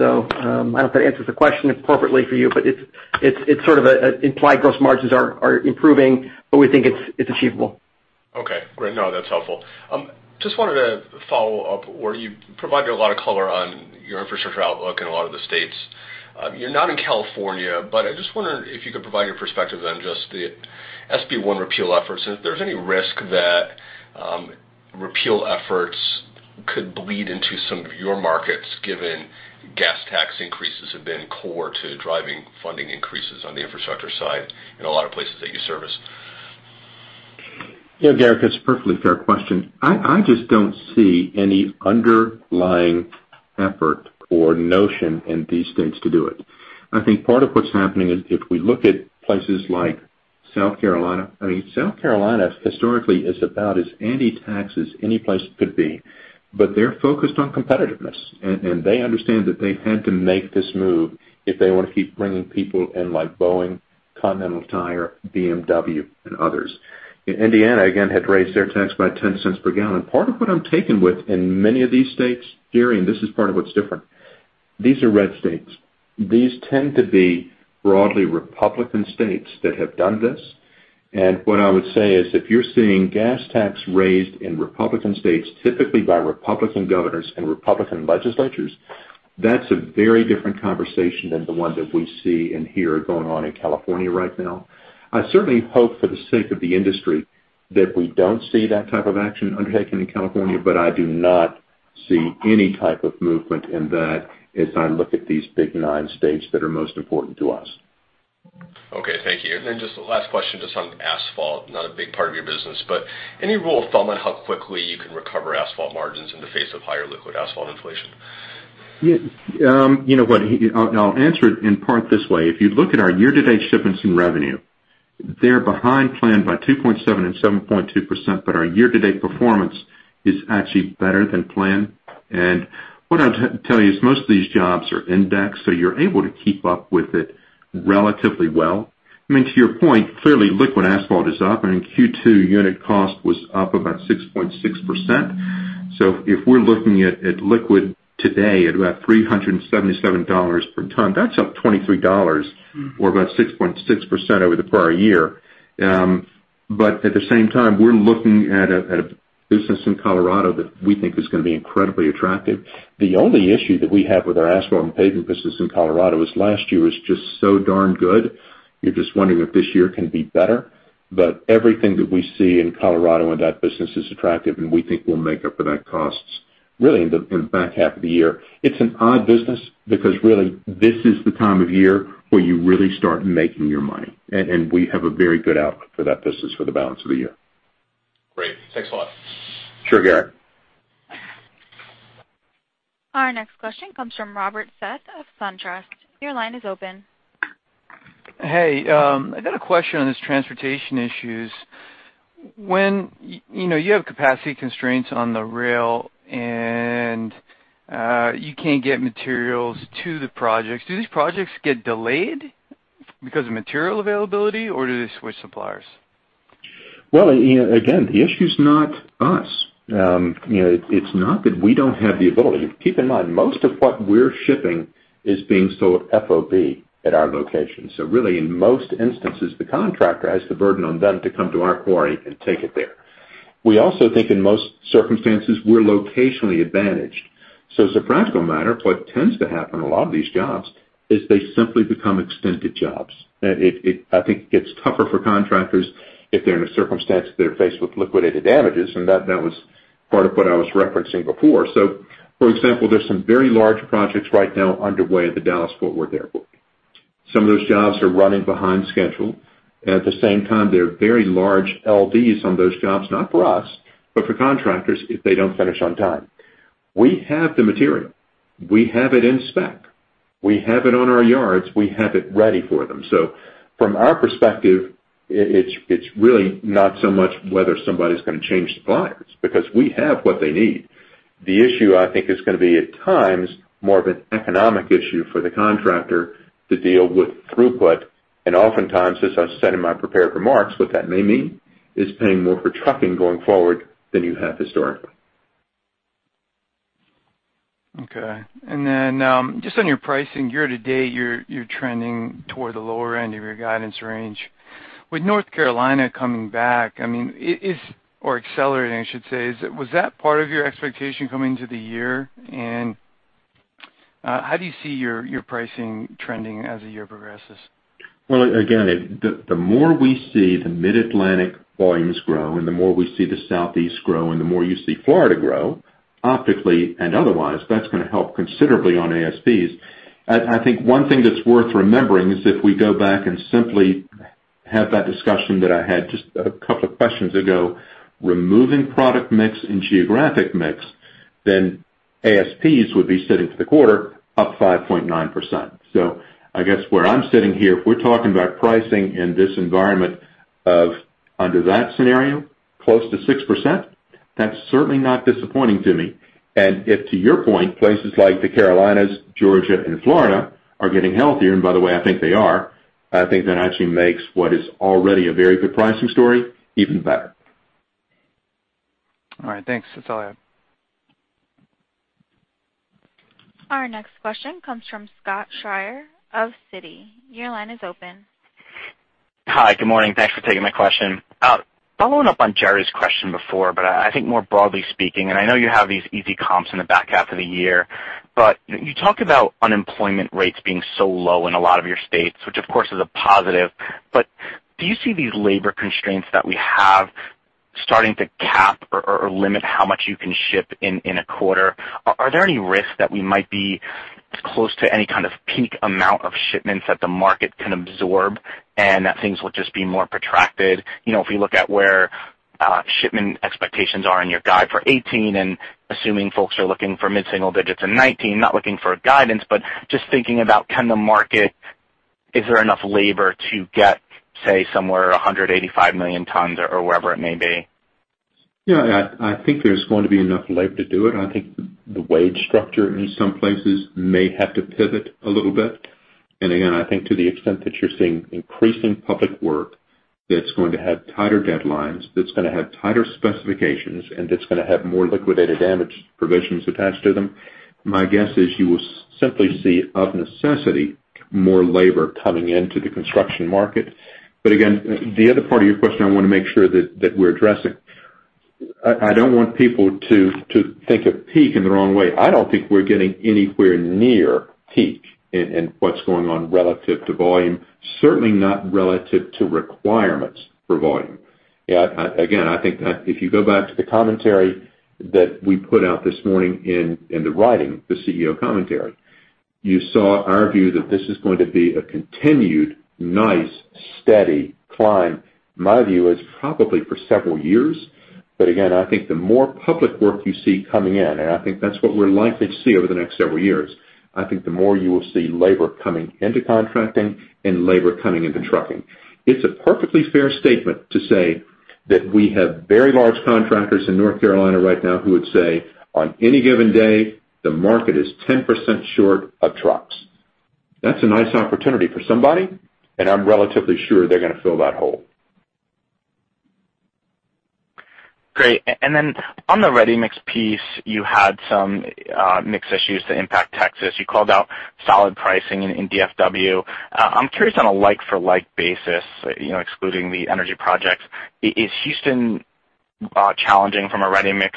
Speaker 4: I don't know if that answers the question appropriately for you, but it's sort of implied gross margins are improving, but we think it's achievable.
Speaker 8: Okay, great. No, that's helpful. Just wanted to follow up, Ward, you provided a lot of color on your infrastructure outlook in a lot of the states. You're not in California, but I just wonder if you could provide your perspective then just the SB 1 repeal efforts, and if there's any risk that repeal efforts could bleed into some of your markets given gas tax increases have been core to driving funding increases on the infrastructure side in a lot of places that you service.
Speaker 3: Yeah, Garik, it's a perfectly fair question. I just don't see any underlying effort or notion in these states to do it. I think part of what's happening is if we look at places like South Carolina, South Carolina historically is about as anti-tax as any place could be, but they're focused on competitiveness, and they understand that they had to make this move if they want to keep bringing people in like Boeing, Continental Tire, BMW, and others. Indiana, again, had raised their tax by $0.10 per gallon. Part of what I'm taken with in many of these states, Jerry, and this is part of what's different, these are red states. These tend to be broadly Republican states that have done this. What I would say is if you're seeing gas tax raised in Republican states, typically by Republican governors and Republican legislatures, that's a very different conversation than the one that we see and hear going on in California right now. I certainly hope for the sake of the industry that we don't see that type of action undertaken in California, I do not see any type of movement in that as I look at these big nine states that are most important to us.
Speaker 8: Okay. Thank you. Just the last question, just on asphalt. Not a big part of your business, but any rule of thumb on how quickly you can recover asphalt margins in the face of higher liquid asphalt inflation?
Speaker 3: I'll answer it in part this way. If you look at our year-to-date shipments and revenue, they're behind plan by 2.7% and 7.2%, our year-to-date performance is actually better than planned. What I'll tell you is most of these jobs are indexed, so you're able to keep up with it relatively well. To your point, clearly liquid asphalt is up. In Q2, unit cost was up about 6.6%. If we're looking at liquid today at about $377 per ton, that's up $23 or about 6.6% over the prior year. At the same time, we're looking at a business in Colorado that we think is going to be incredibly attractive. The only issue that we have with our asphalt and paving business in Colorado is last year was just so darn good, you're just wondering if this year can be better. Everything that we see in Colorado in that business is attractive, and we think we'll make up for that costs really in the back half of the year. It's an odd business because really this is the time of year where you really start making your money, and we have a very good outlook for that business for the balance of the year.
Speaker 8: Great. Thanks a lot.
Speaker 3: Sure, Garik.
Speaker 1: Our next question comes from Rohit Seth of SunTrust. Your line is open.
Speaker 9: Hey. I got a question on these transportation issues. When you have capacity constraints on the rail, and you can't get materials to the projects, do these projects get delayed because of material availability, or do they switch suppliers?
Speaker 3: Again, the issue's not us. It's not that we don't have the ability. Keep in mind, most of what we're shipping is being sold FOB at our location. Really, in most instances, the contractor has the burden on them to come to our quarry and take it there. We also think in most circumstances, we're locationally advantaged. As a practical matter, what tends to happen, a lot of these jobs is they simply become extended jobs. I think it gets tougher for contractors if they're in a circumstance that they're faced with liquidated damages, and that was part of what I was referencing before. For example, there's some very large projects right now underway at the Dallas Fort Worth Airport. Some of those jobs are running behind schedule. At the same time, there are very large LDs on those jobs, not for us, but for contractors if they don't finish on time. We have the material. We have it in spec. We have it on our yards. We have it ready for them. From our perspective, it's really not so much whether somebody's going to change suppliers because we have what they need. The issue, I think, is going to be, at times, more of an economic issue for the contractor to deal with throughput. Oftentimes, as I said in my prepared remarks, what that may mean is paying more for trucking going forward than you have historically.
Speaker 9: Okay. Then, just on your pricing year-to-date, you're trending toward the lower end of your guidance range. With North Carolina coming back, or accelerating, I should say, was that part of your expectation coming into the year? How do you see your pricing trending as the year progresses?
Speaker 3: Again, the more we see the Mid-Atlantic volumes grow and the more we see the Southeast grow and the more you see Florida grow, optically and otherwise, that's going to help considerably on ASPs. I think one thing that's worth remembering is if we go back and simply have that discussion that I had just a couple of questions ago, removing product mix and geographic mix, ASPs would be sitting for the quarter up 5.9%. I guess where I'm sitting here, if we're talking about pricing in this environment of under that scenario, close to 6%, that's certainly not disappointing to me. If, to your point, places like the Carolinas, Georgia, and Florida are getting healthier, and by the way, I think they are. I think that actually makes what is already a very good pricing story even better.
Speaker 9: All right. Thanks. That is all I have.
Speaker 1: Our next question comes from Scott Schrier of Citigroup. Your line is open.
Speaker 10: Hi. Good morning. Thanks for taking my question. Following up on Jerry's question before, I think more broadly speaking, I know you have these easy comps in the back half of the year, you talk about unemployment rates being so low in a lot of your states, which, of course, is a positive. Do you see these labor constraints that we have starting to cap or limit how much you can ship in a quarter? Are there any risks that we might be close to any kind of peak amount of shipments that the market can absorb, and that things will just be more protracted? If we look at where shipment expectations are in your guide for 2018, assuming folks are looking for mid-single digits in 2019, not looking for guidance, just thinking about, is there enough labor to get, say, somewhere 185 million tons or wherever it may be?
Speaker 3: I think there's going to be enough labor to do it. I think the wage structure in some places may have to pivot a little bit. I think to the extent that you're seeing increasing public work that's going to have tighter deadlines, that's going to have tighter specifications, and that's going to have more Liquidated Damages provisions attached to them, my guess is you will simply see, of necessity, more labor coming into the construction market. The other part of your question I want to make sure that we're addressing. I don't want people to think of peak in the wrong way. I don't think we're getting anywhere near peak in what's going on relative to volume, certainly not relative to requirements for volume. I think that if you go back to the commentary that we put out this morning in the writing, the CEO commentary, you saw our view that this is going to be a continued nice, steady climb. My view is probably for several years. I think the more public work you see coming in, and I think that's what we're likely to see over the next several years, I think the more you will see labor coming into contracting and labor coming into trucking. It's a perfectly fair statement to say that we have very large contractors in North Carolina right now who would say, on any given day, the market is 10% short of trucks. That's a nice opportunity for somebody, and I'm relatively sure they're going to fill that hole.
Speaker 10: Great. On the ready-mix piece, you had some mixed issues that impact Texas. You called out solid pricing in DFW. I'm curious on a like for like basis, excluding the energy projects. Is Houston challenging from a ready-mix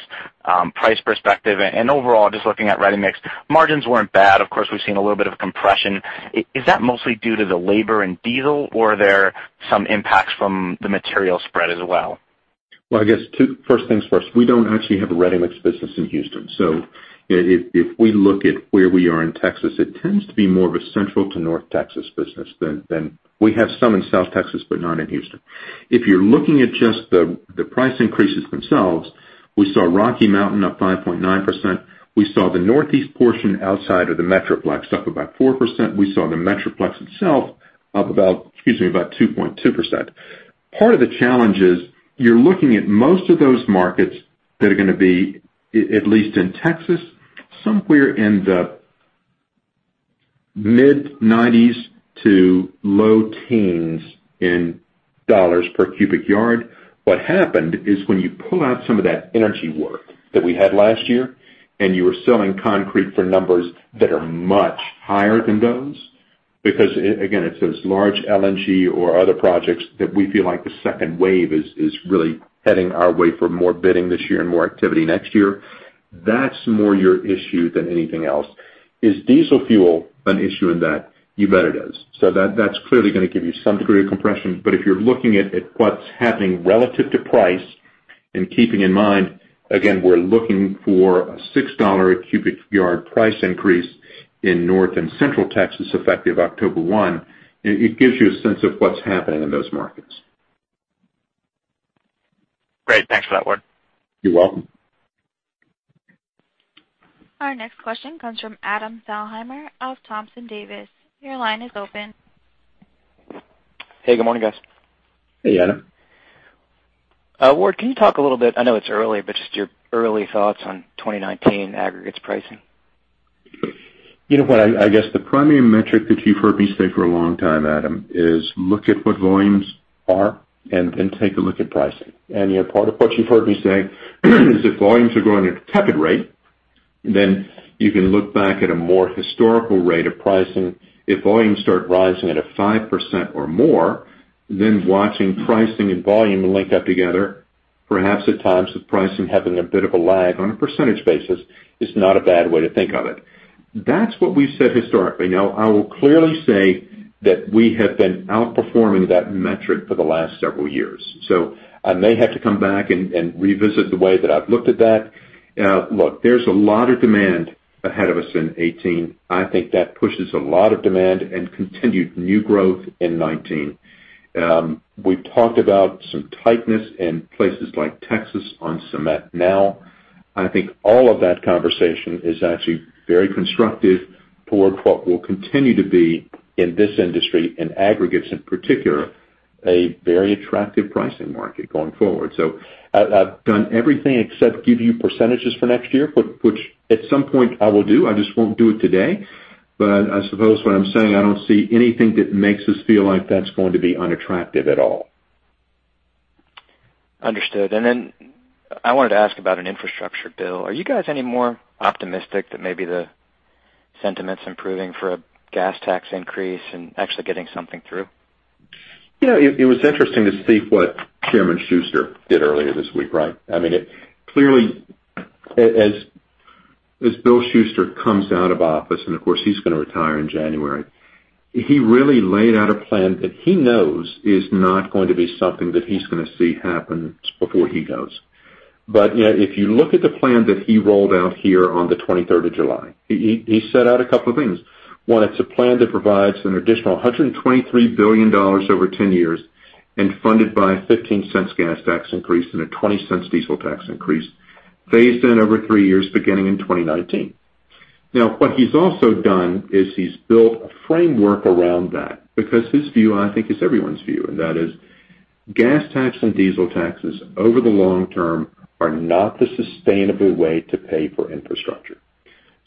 Speaker 10: price perspective? Just looking at ready-mix, margins weren't bad. Of course, we've seen a little bit of compression. Is that mostly due to the labor and diesel, or are there some impacts from the material spread as well?
Speaker 3: Well, I guess first things first. We don't actually have a ready-mix business in Houston, so if we look at where we are in Texas, it tends to be more of a Central to North Texas business. We have some in South Texas, but not in Houston. If you're looking at just the price increases themselves, we saw Rocky Mountain up 5.9%. We saw the Northeast portion outside of the Metroplex up about 4%. We saw the Metroplex itself up about 2.2%. Part of the challenge is you're looking at most of those markets that are going to be, at least in Texas, somewhere in the mid $90s to low $100s per cubic yard. What happened is when you pull out some of that energy work that we had last year, and you were selling concrete for numbers that are much higher than those, because, again, it's those large LNG or other projects that we feel like the second wave is really heading our way for more bidding this year and more activity next year. That's more your issue than anything else. Is diesel fuel an issue in that? You bet it is. That's clearly going to give you some degree of compression. If you're looking at what's happening relative to price and keeping in mind, again, we're looking for a $6 a cubic yard price increase in North and Central Texas effective October 1, it gives you a sense of what's happening in those markets.
Speaker 10: Great. Thanks for that, Ward.
Speaker 3: You're welcome.
Speaker 1: Our next question comes from Adam Thalhimer of Thompson Davis. Your line is open.
Speaker 11: Hey, good morning, guys.
Speaker 3: Hey, Adam.
Speaker 11: Ward, can you talk a little bit, I know it's early, but just your early thoughts on 2019 aggregates pricing.
Speaker 3: You know what? I guess the primary metric that you've heard me say for a long time, Adam, is look at what volumes are and take a look at pricing. Part of what you've heard me say is if volumes are growing at a tepid rate, then you can look back at a more historical rate of pricing. If volumes start rising at a 5% or more, then watching pricing and volume link up together, perhaps at times with pricing having a bit of a lag on a percentage basis, is not a bad way to think of it. That's what we've said historically. I will clearly say that we have been outperforming that metric for the last several years, so I may have to come back and revisit the way that I've looked at that. Look, there's a lot of demand ahead of us in 2018. I think that pushes a lot of demand and continued new growth in 2019. We've talked about some tightness in places like Texas on cement. I think all of that conversation is actually very constructive for what will continue to be in this industry, in aggregates in particular, a very attractive pricing market going forward. I've done everything except give you percentages for next year, which at some point I will do. I just won't do it today. I suppose what I'm saying, I don't see anything that makes us feel like that's going to be unattractive at all.
Speaker 11: Understood. I wanted to ask about an infrastructure bill. Are you guys any more optimistic that maybe the sentiment's improving for a gas tax increase and actually getting something through?
Speaker 3: It was interesting to see what Chairman Shuster did earlier this week, right? Clearly, as Bill Shuster comes out of office, he's going to retire in January, he really laid out a plan that he knows is not going to be something that he's going to see happen before he goes. If you look at the plan that he rolled out here on the 23rd of July, he set out a couple of things. One, it's a plan that provides an additional $123 billion over 10 years and funded by a $0.15 gas tax increase and a $0.20 diesel tax increase, phased in over three years beginning in 2019. What he's also done is he's built a framework around that because his view, I think, is everyone's view, and that is gas tax and diesel taxes over the long term are not the sustainable way to pay for infrastructure.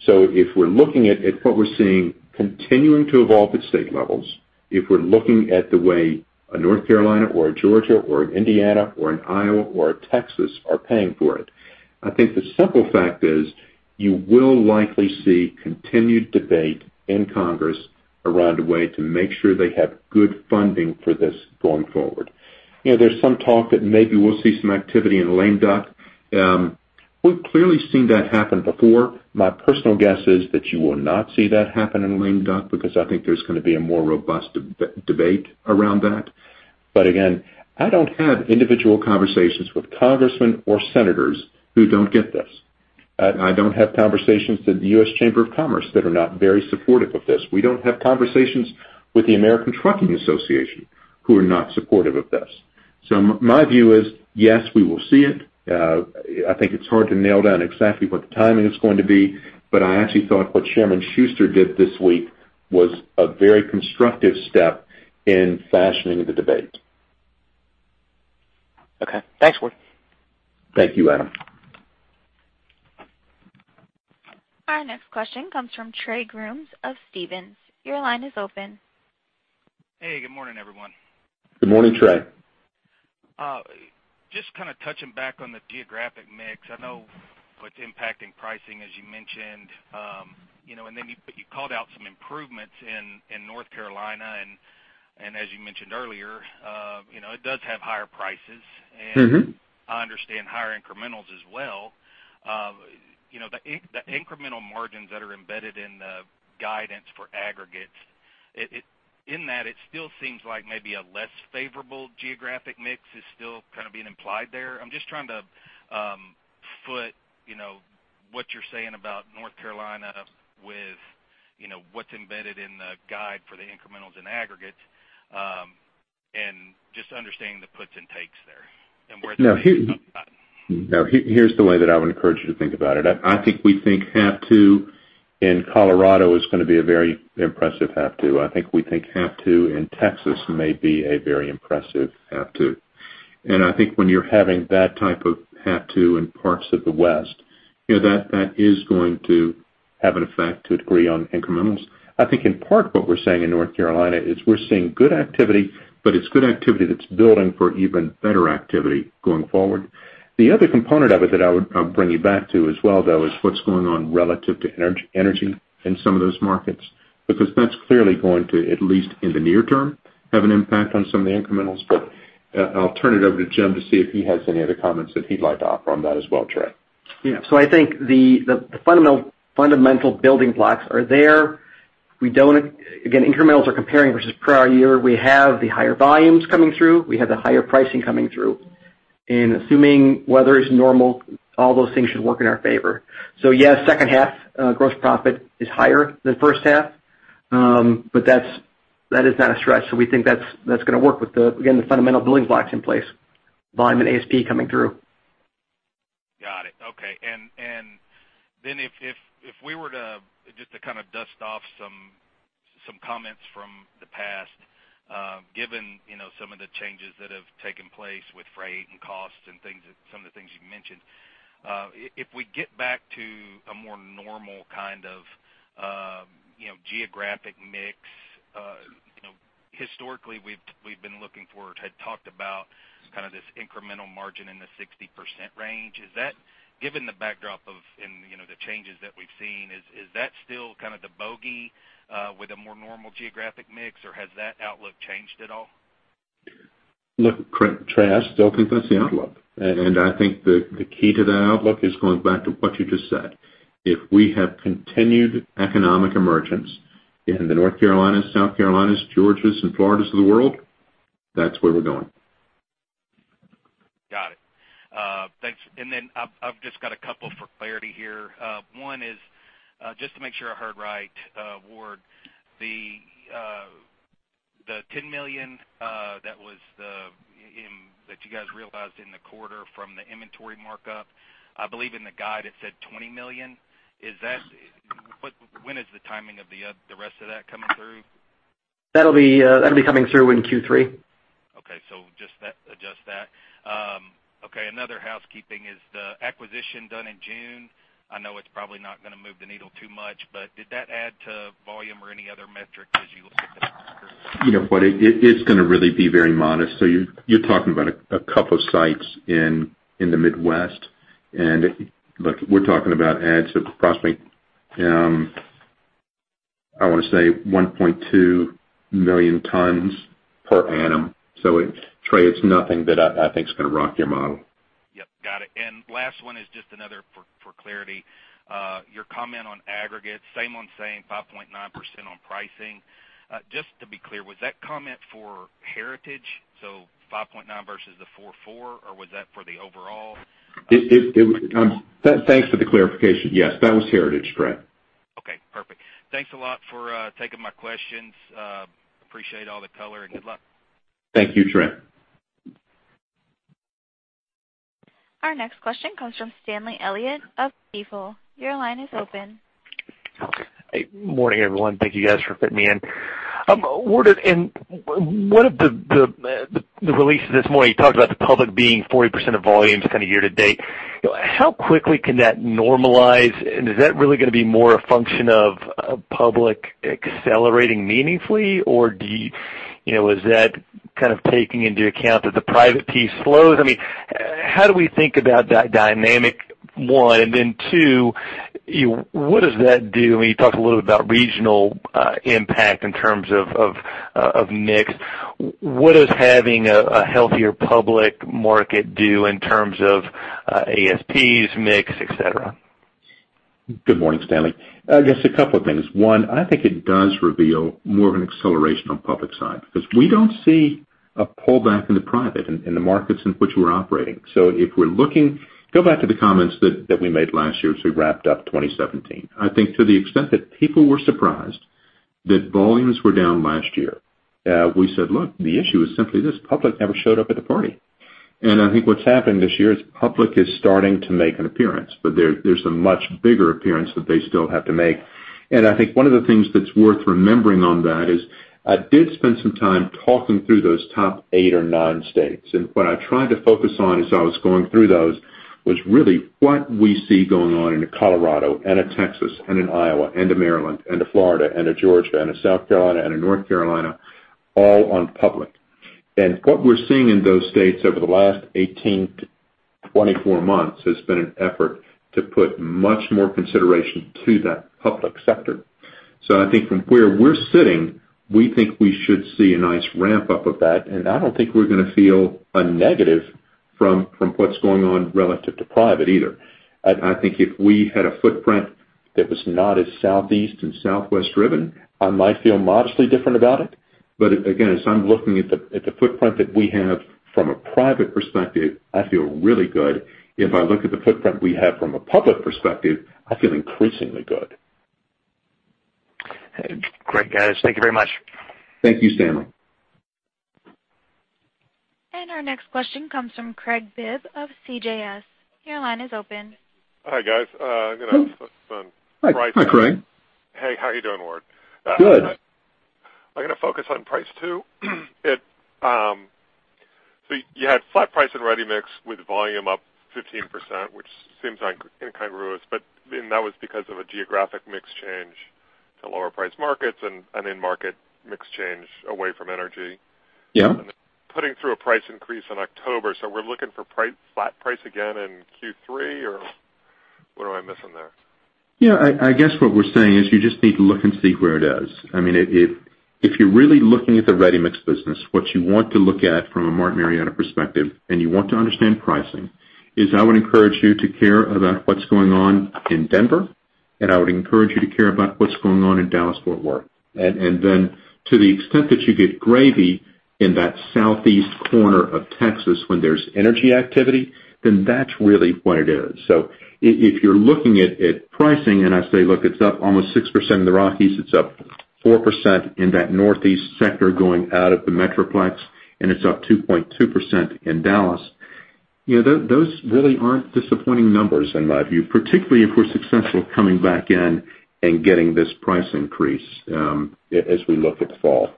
Speaker 3: If we're looking at what we're seeing continuing to evolve at state levels, if we're looking at the way a North Carolina or a Georgia or an Indiana or an Iowa or a Texas are paying for it, I think the simple fact is you will likely see continued debate in Congress around a way to make sure they have good funding for this going forward. There's some talk that maybe we'll see some activity in lame duck. We've clearly seen that happen before. My personal guess is that you will not see that happen in lame duck because I think there's going to be a more robust debate around that. Again, I don't have individual conversations with congressmen or senators who don't get this. I don't have conversations with the U.S. Chamber of Commerce that are not very supportive of this. We don't have conversations with the American Trucking Associations who are not supportive of this. My view is, yes, we will see it. I think it's hard to nail down exactly what the timing is going to be, but I actually thought what Chairman Shuster did this week was a very constructive step in fashioning the debate.
Speaker 11: Okay. Thanks, Ward.
Speaker 3: Thank you, Adam.
Speaker 1: Our next question comes from Trey Grooms of Stephens. Your line is open.
Speaker 12: Hey, good morning, everyone.
Speaker 3: Good morning, Trey.
Speaker 12: Just kind of touching back on the geographic mix. I know what's impacting pricing, as you mentioned. You called out some improvements in North Carolina, and as you mentioned earlier, it does have higher prices. I understand higher incrementals as well. The incremental margins that are embedded in the guidance for aggregates, in that, it still seems like maybe a less favorable geographic mix is still kind of being implied there. I'm just trying to foot what you're saying about North Carolina with what's embedded in the guide for the incrementals and aggregates, and just understanding the puts and takes there and where that may be coming from.
Speaker 3: No. Here's the way that I would encourage you to think about it. I think we think half two in Colorado is going to be a very impressive half two. I think we think half two in Texas may be a very impressive half two. When you're having that type of half two in parts of the West, that is going to have an effect to a degree on incrementals. I think in part, what we're saying in North Carolina is we're seeing good activity, but it's good activity that's building for even better activity going forward. The other component of it that I would bring you back to as well, though, is what's going on relative to energy in some of those markets, because that's clearly going to, at least in the near term, have an impact on some of the incrementals. I'll turn it over to Jim to see if he has any other comments that he'd like to offer on that as well, Trey.
Speaker 4: Yeah. I think the fundamental building blocks are there. Again, incrementals are comparing versus prior year. We have the higher volumes coming through. We have the higher pricing coming through. Assuming weather is normal, all those things should work in our favor. Yeah, second half gross profit is higher than first half, but that is not a stretch. We think that's going to work with, again, the fundamental building blocks in place, volume and ASP coming through.
Speaker 12: Got it. Okay. If we were to just to kind of dust off some comments from the past, given some of the changes that have taken place with freight and costs and some of the things you've mentioned, if we get back to a more normal kind of geographic mix, historically, we've been looking for or had talked about kind of this incremental margin in the 60% range. Given the backdrop of the changes that we've seen, is that still kind of the bogey with a more normal geographic mix, or has that outlook changed at all?
Speaker 3: Look, Trey, that's still considered the outlook. I think the key to that outlook is going back to what you just said. If we have continued economic emergence in the North Carolinas, South Carolinas, Georgias, and Floridas of the world, that's where we're going.
Speaker 12: Got it. Thanks. Then I've just got a couple for clarity here. One is just to make sure I heard right, Ward. The $10 million that you guys realized in the quarter from the inventory markup, I believe in the guide it said $20 million. When is the timing of the rest of that coming through?
Speaker 4: That'll be coming through in Q3.
Speaker 12: Okay, just adjust that. Okay, another housekeeping. Is the acquisition done in June, I know it's probably not going to move the needle too much, but did that add to volume or any other metric as you look at the numbers?
Speaker 3: It's going to really be very modest. You're talking about a couple of sites in the Midwest, and, look, we're talking about adds of approximately, I want to say, 1.2 million tons per annum. Trey, it's nothing that I think is going to rock your model.
Speaker 12: Yep, got it. Last one is just another for clarity. Your comment on aggregates, same on same, 5.9% on pricing. Just to be clear, was that comment for Heritage, 5.9% versus the 4.4% or was that for the overall?
Speaker 3: Thanks for the clarification. Yes, that was Heritage, Trey.
Speaker 12: Okay, perfect. Thanks a lot for taking my questions. Appreciate all the color and good luck.
Speaker 3: Thank you, Trey.
Speaker 1: Our next question comes from Stanley Elliott of Stifel. Your line is open.
Speaker 13: Hey, morning, everyone. Thank you guys for fitting me in. Ward, in one of the releases this morning, you talked about the public being 40% of volumes kind of year to date. Is that really going to be more a function of public accelerating meaningfully? Is that kind of taking into account that the private piece slows? How do we think about that dynamic, one? Two, what does that do? You talked a little bit about regional impact in terms of mix. What does having a healthier public market do in terms of ASPs, mix, et cetera?
Speaker 3: Good morning, Stanley. I guess a couple of things. One, I think it does reveal more of an acceleration on public side because we don't see a pullback in the private in the markets in which we're operating. If we're looking, go back to the comments that we made last year as we wrapped up 2017. I think to the extent that people were surprised that volumes were down last year, we said, "Look, the issue is simply this, public never showed up at the party." I think what's happened this year is public is starting to make an appearance, but there's a much bigger appearance that they still have to make. I think one of the things that's worth remembering on that is I did spend some time talking through those top eight or nine states. What I tried to focus on as I was going through those was really what we see going on in Colorado, and in Texas, and in Iowa, and in Maryland, and in Florida, and in Georgia, and in South Carolina, and in North Carolina, all on public. What we're seeing in those states over the last 18 to 24 months has been an effort to put much more consideration to that public sector. I think from where we're sitting, we think we should see a nice ramp-up of that. I don't think we're going to feel a negative from what's going on relative to private either. I think if we had a footprint that was not as Southeast and Southwest driven, I might feel modestly different about it. Again, as I'm looking at the footprint that we have from a private perspective, I feel really good. If I look at the footprint we have from a public perspective, I feel increasingly good.
Speaker 13: Great, guys. Thank you very much.
Speaker 3: Thank you, Stanley.
Speaker 1: Our next question comes from Craig Bibb of CJS. Your line is open.
Speaker 14: Hi, guys. I'm going to focus on pricing.
Speaker 3: Hi, Craig.
Speaker 14: Hey, how are you doing, Ward?
Speaker 3: Good.
Speaker 14: I'm going to focus on price, too. You had flat price in ready-mix with volume up 15%, which seems incongruous, but that was because of a geographic mix change to lower priced markets and an end market mix change away from energy.
Speaker 3: Yeah.
Speaker 14: Putting through a price increase in October, we're looking for flat price again in Q3, or what am I missing there?
Speaker 3: I guess what we're saying is you just need to look and see where it is. If you're really looking at the ready-mix business, what you want to look at from a Martin Marietta perspective, and you want to understand pricing, is I would encourage you to care about what's going on in Denver, and I would encourage you to care about what's going on in Dallas-Fort Worth. To the extent that you get gravy in that southeast corner of Texas when there's energy activity, that's really what it is. If you're looking at pricing, and I say, look, it's up almost 6% in the Rockies, it's up 4% in that northeast sector going out of the Metroplex, and it's up 2.2% in Dallas. Those really aren't disappointing numbers in my view, particularly if we're successful coming back in and getting this price increase as we look at fall.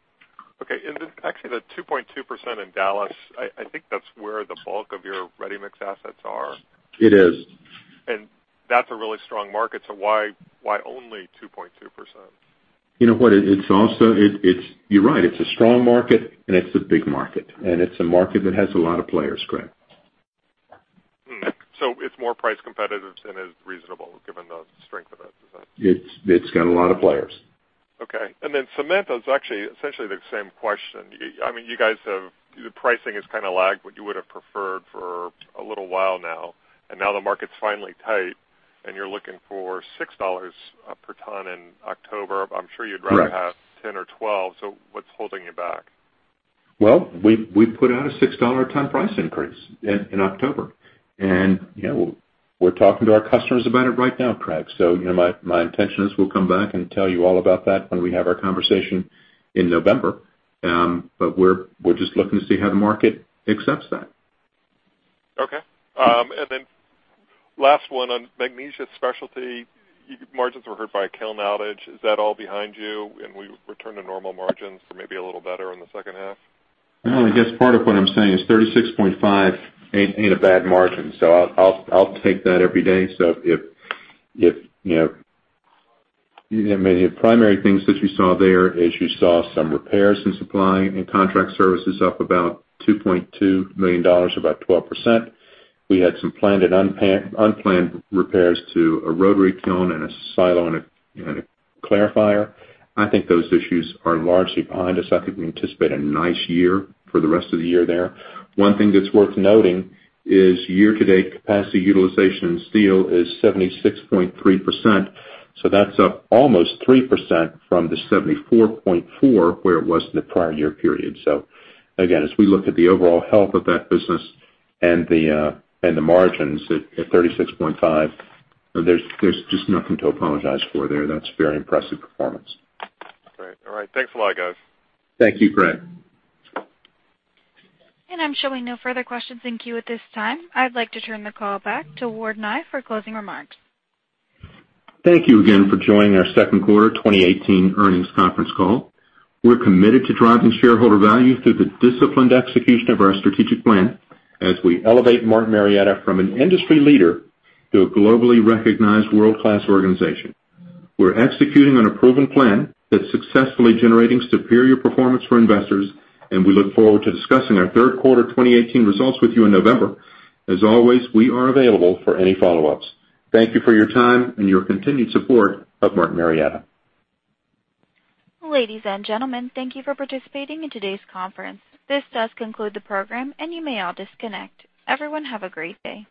Speaker 14: Okay. Actually, the 2.2% in Dallas, I think that's where the bulk of your ready-mix assets are.
Speaker 3: It is.
Speaker 14: That's a really strong market, so why only 2.2%?
Speaker 3: You know what? You're right. It's a strong market, and it's a big market, and it's a market that has a lot of players, Craig.
Speaker 14: It's more price competitive than is reasonable given the strength of it. Is that?
Speaker 3: It's got a lot of players.
Speaker 14: Okay. Cement is actually essentially the same question. The pricing has kind of lagged what you would have preferred for a little while now, and now the market's finally tight, and you're looking for $6 per ton in October. I'm sure you'd rather have.
Speaker 3: Right
Speaker 14: $10 or $12, what's holding you back?
Speaker 3: Well, we put out a $6 a ton price increase in October. We're talking to our customers about it right now, Craig. My intention is we'll come back and tell you all about that when we have our conversation in November. We're just looking to see how the market accepts that.
Speaker 14: Okay. Last one on Magnesia Specialties. Margins were hurt by kiln outage. Is that all behind you, and we return to normal margins for maybe a little better in the second half?
Speaker 3: I guess part of what I'm saying is 36.5% ain't a bad margin. I'll take that every day. The primary things that you saw there is you saw some repairs in supply and contract services up about $2.2 million, about 12%. We had some unplanned repairs to a rotary kiln and a silo and a clarifier. I think those issues are largely behind us. I think we anticipate a nice year for the rest of the year there. One thing that's worth noting is year-to-date capacity utilization in steel is 76.3%, that's up almost 3% from the 74.4% where it was in the prior year period. Again, as we look at the overall health of that business and the margins at 36.5%, there's just nothing to apologize for there. That's very impressive performance.
Speaker 14: Great. All right. Thanks a lot, guys.
Speaker 3: Thank you, Craig.
Speaker 1: I'm showing no further questions in queue at this time. I'd like to turn the call back to Ward Nye for closing remarks.
Speaker 3: Thank you again for joining our second quarter 2018 earnings conference call. We're committed to driving shareholder value through the disciplined execution of our strategic plan as we elevate Martin Marietta from an industry leader to a globally recognized world-class organization. We're executing on a proven plan that's successfully generating superior performance for investors, and we look forward to discussing our third quarter 2018 results with you in November. As always, we are available for any follow-ups. Thank you for your time and your continued support of Martin Marietta.
Speaker 1: Ladies and gentlemen, thank you for participating in today's conference. This does conclude the program, and you may all disconnect. Everyone, have a great day.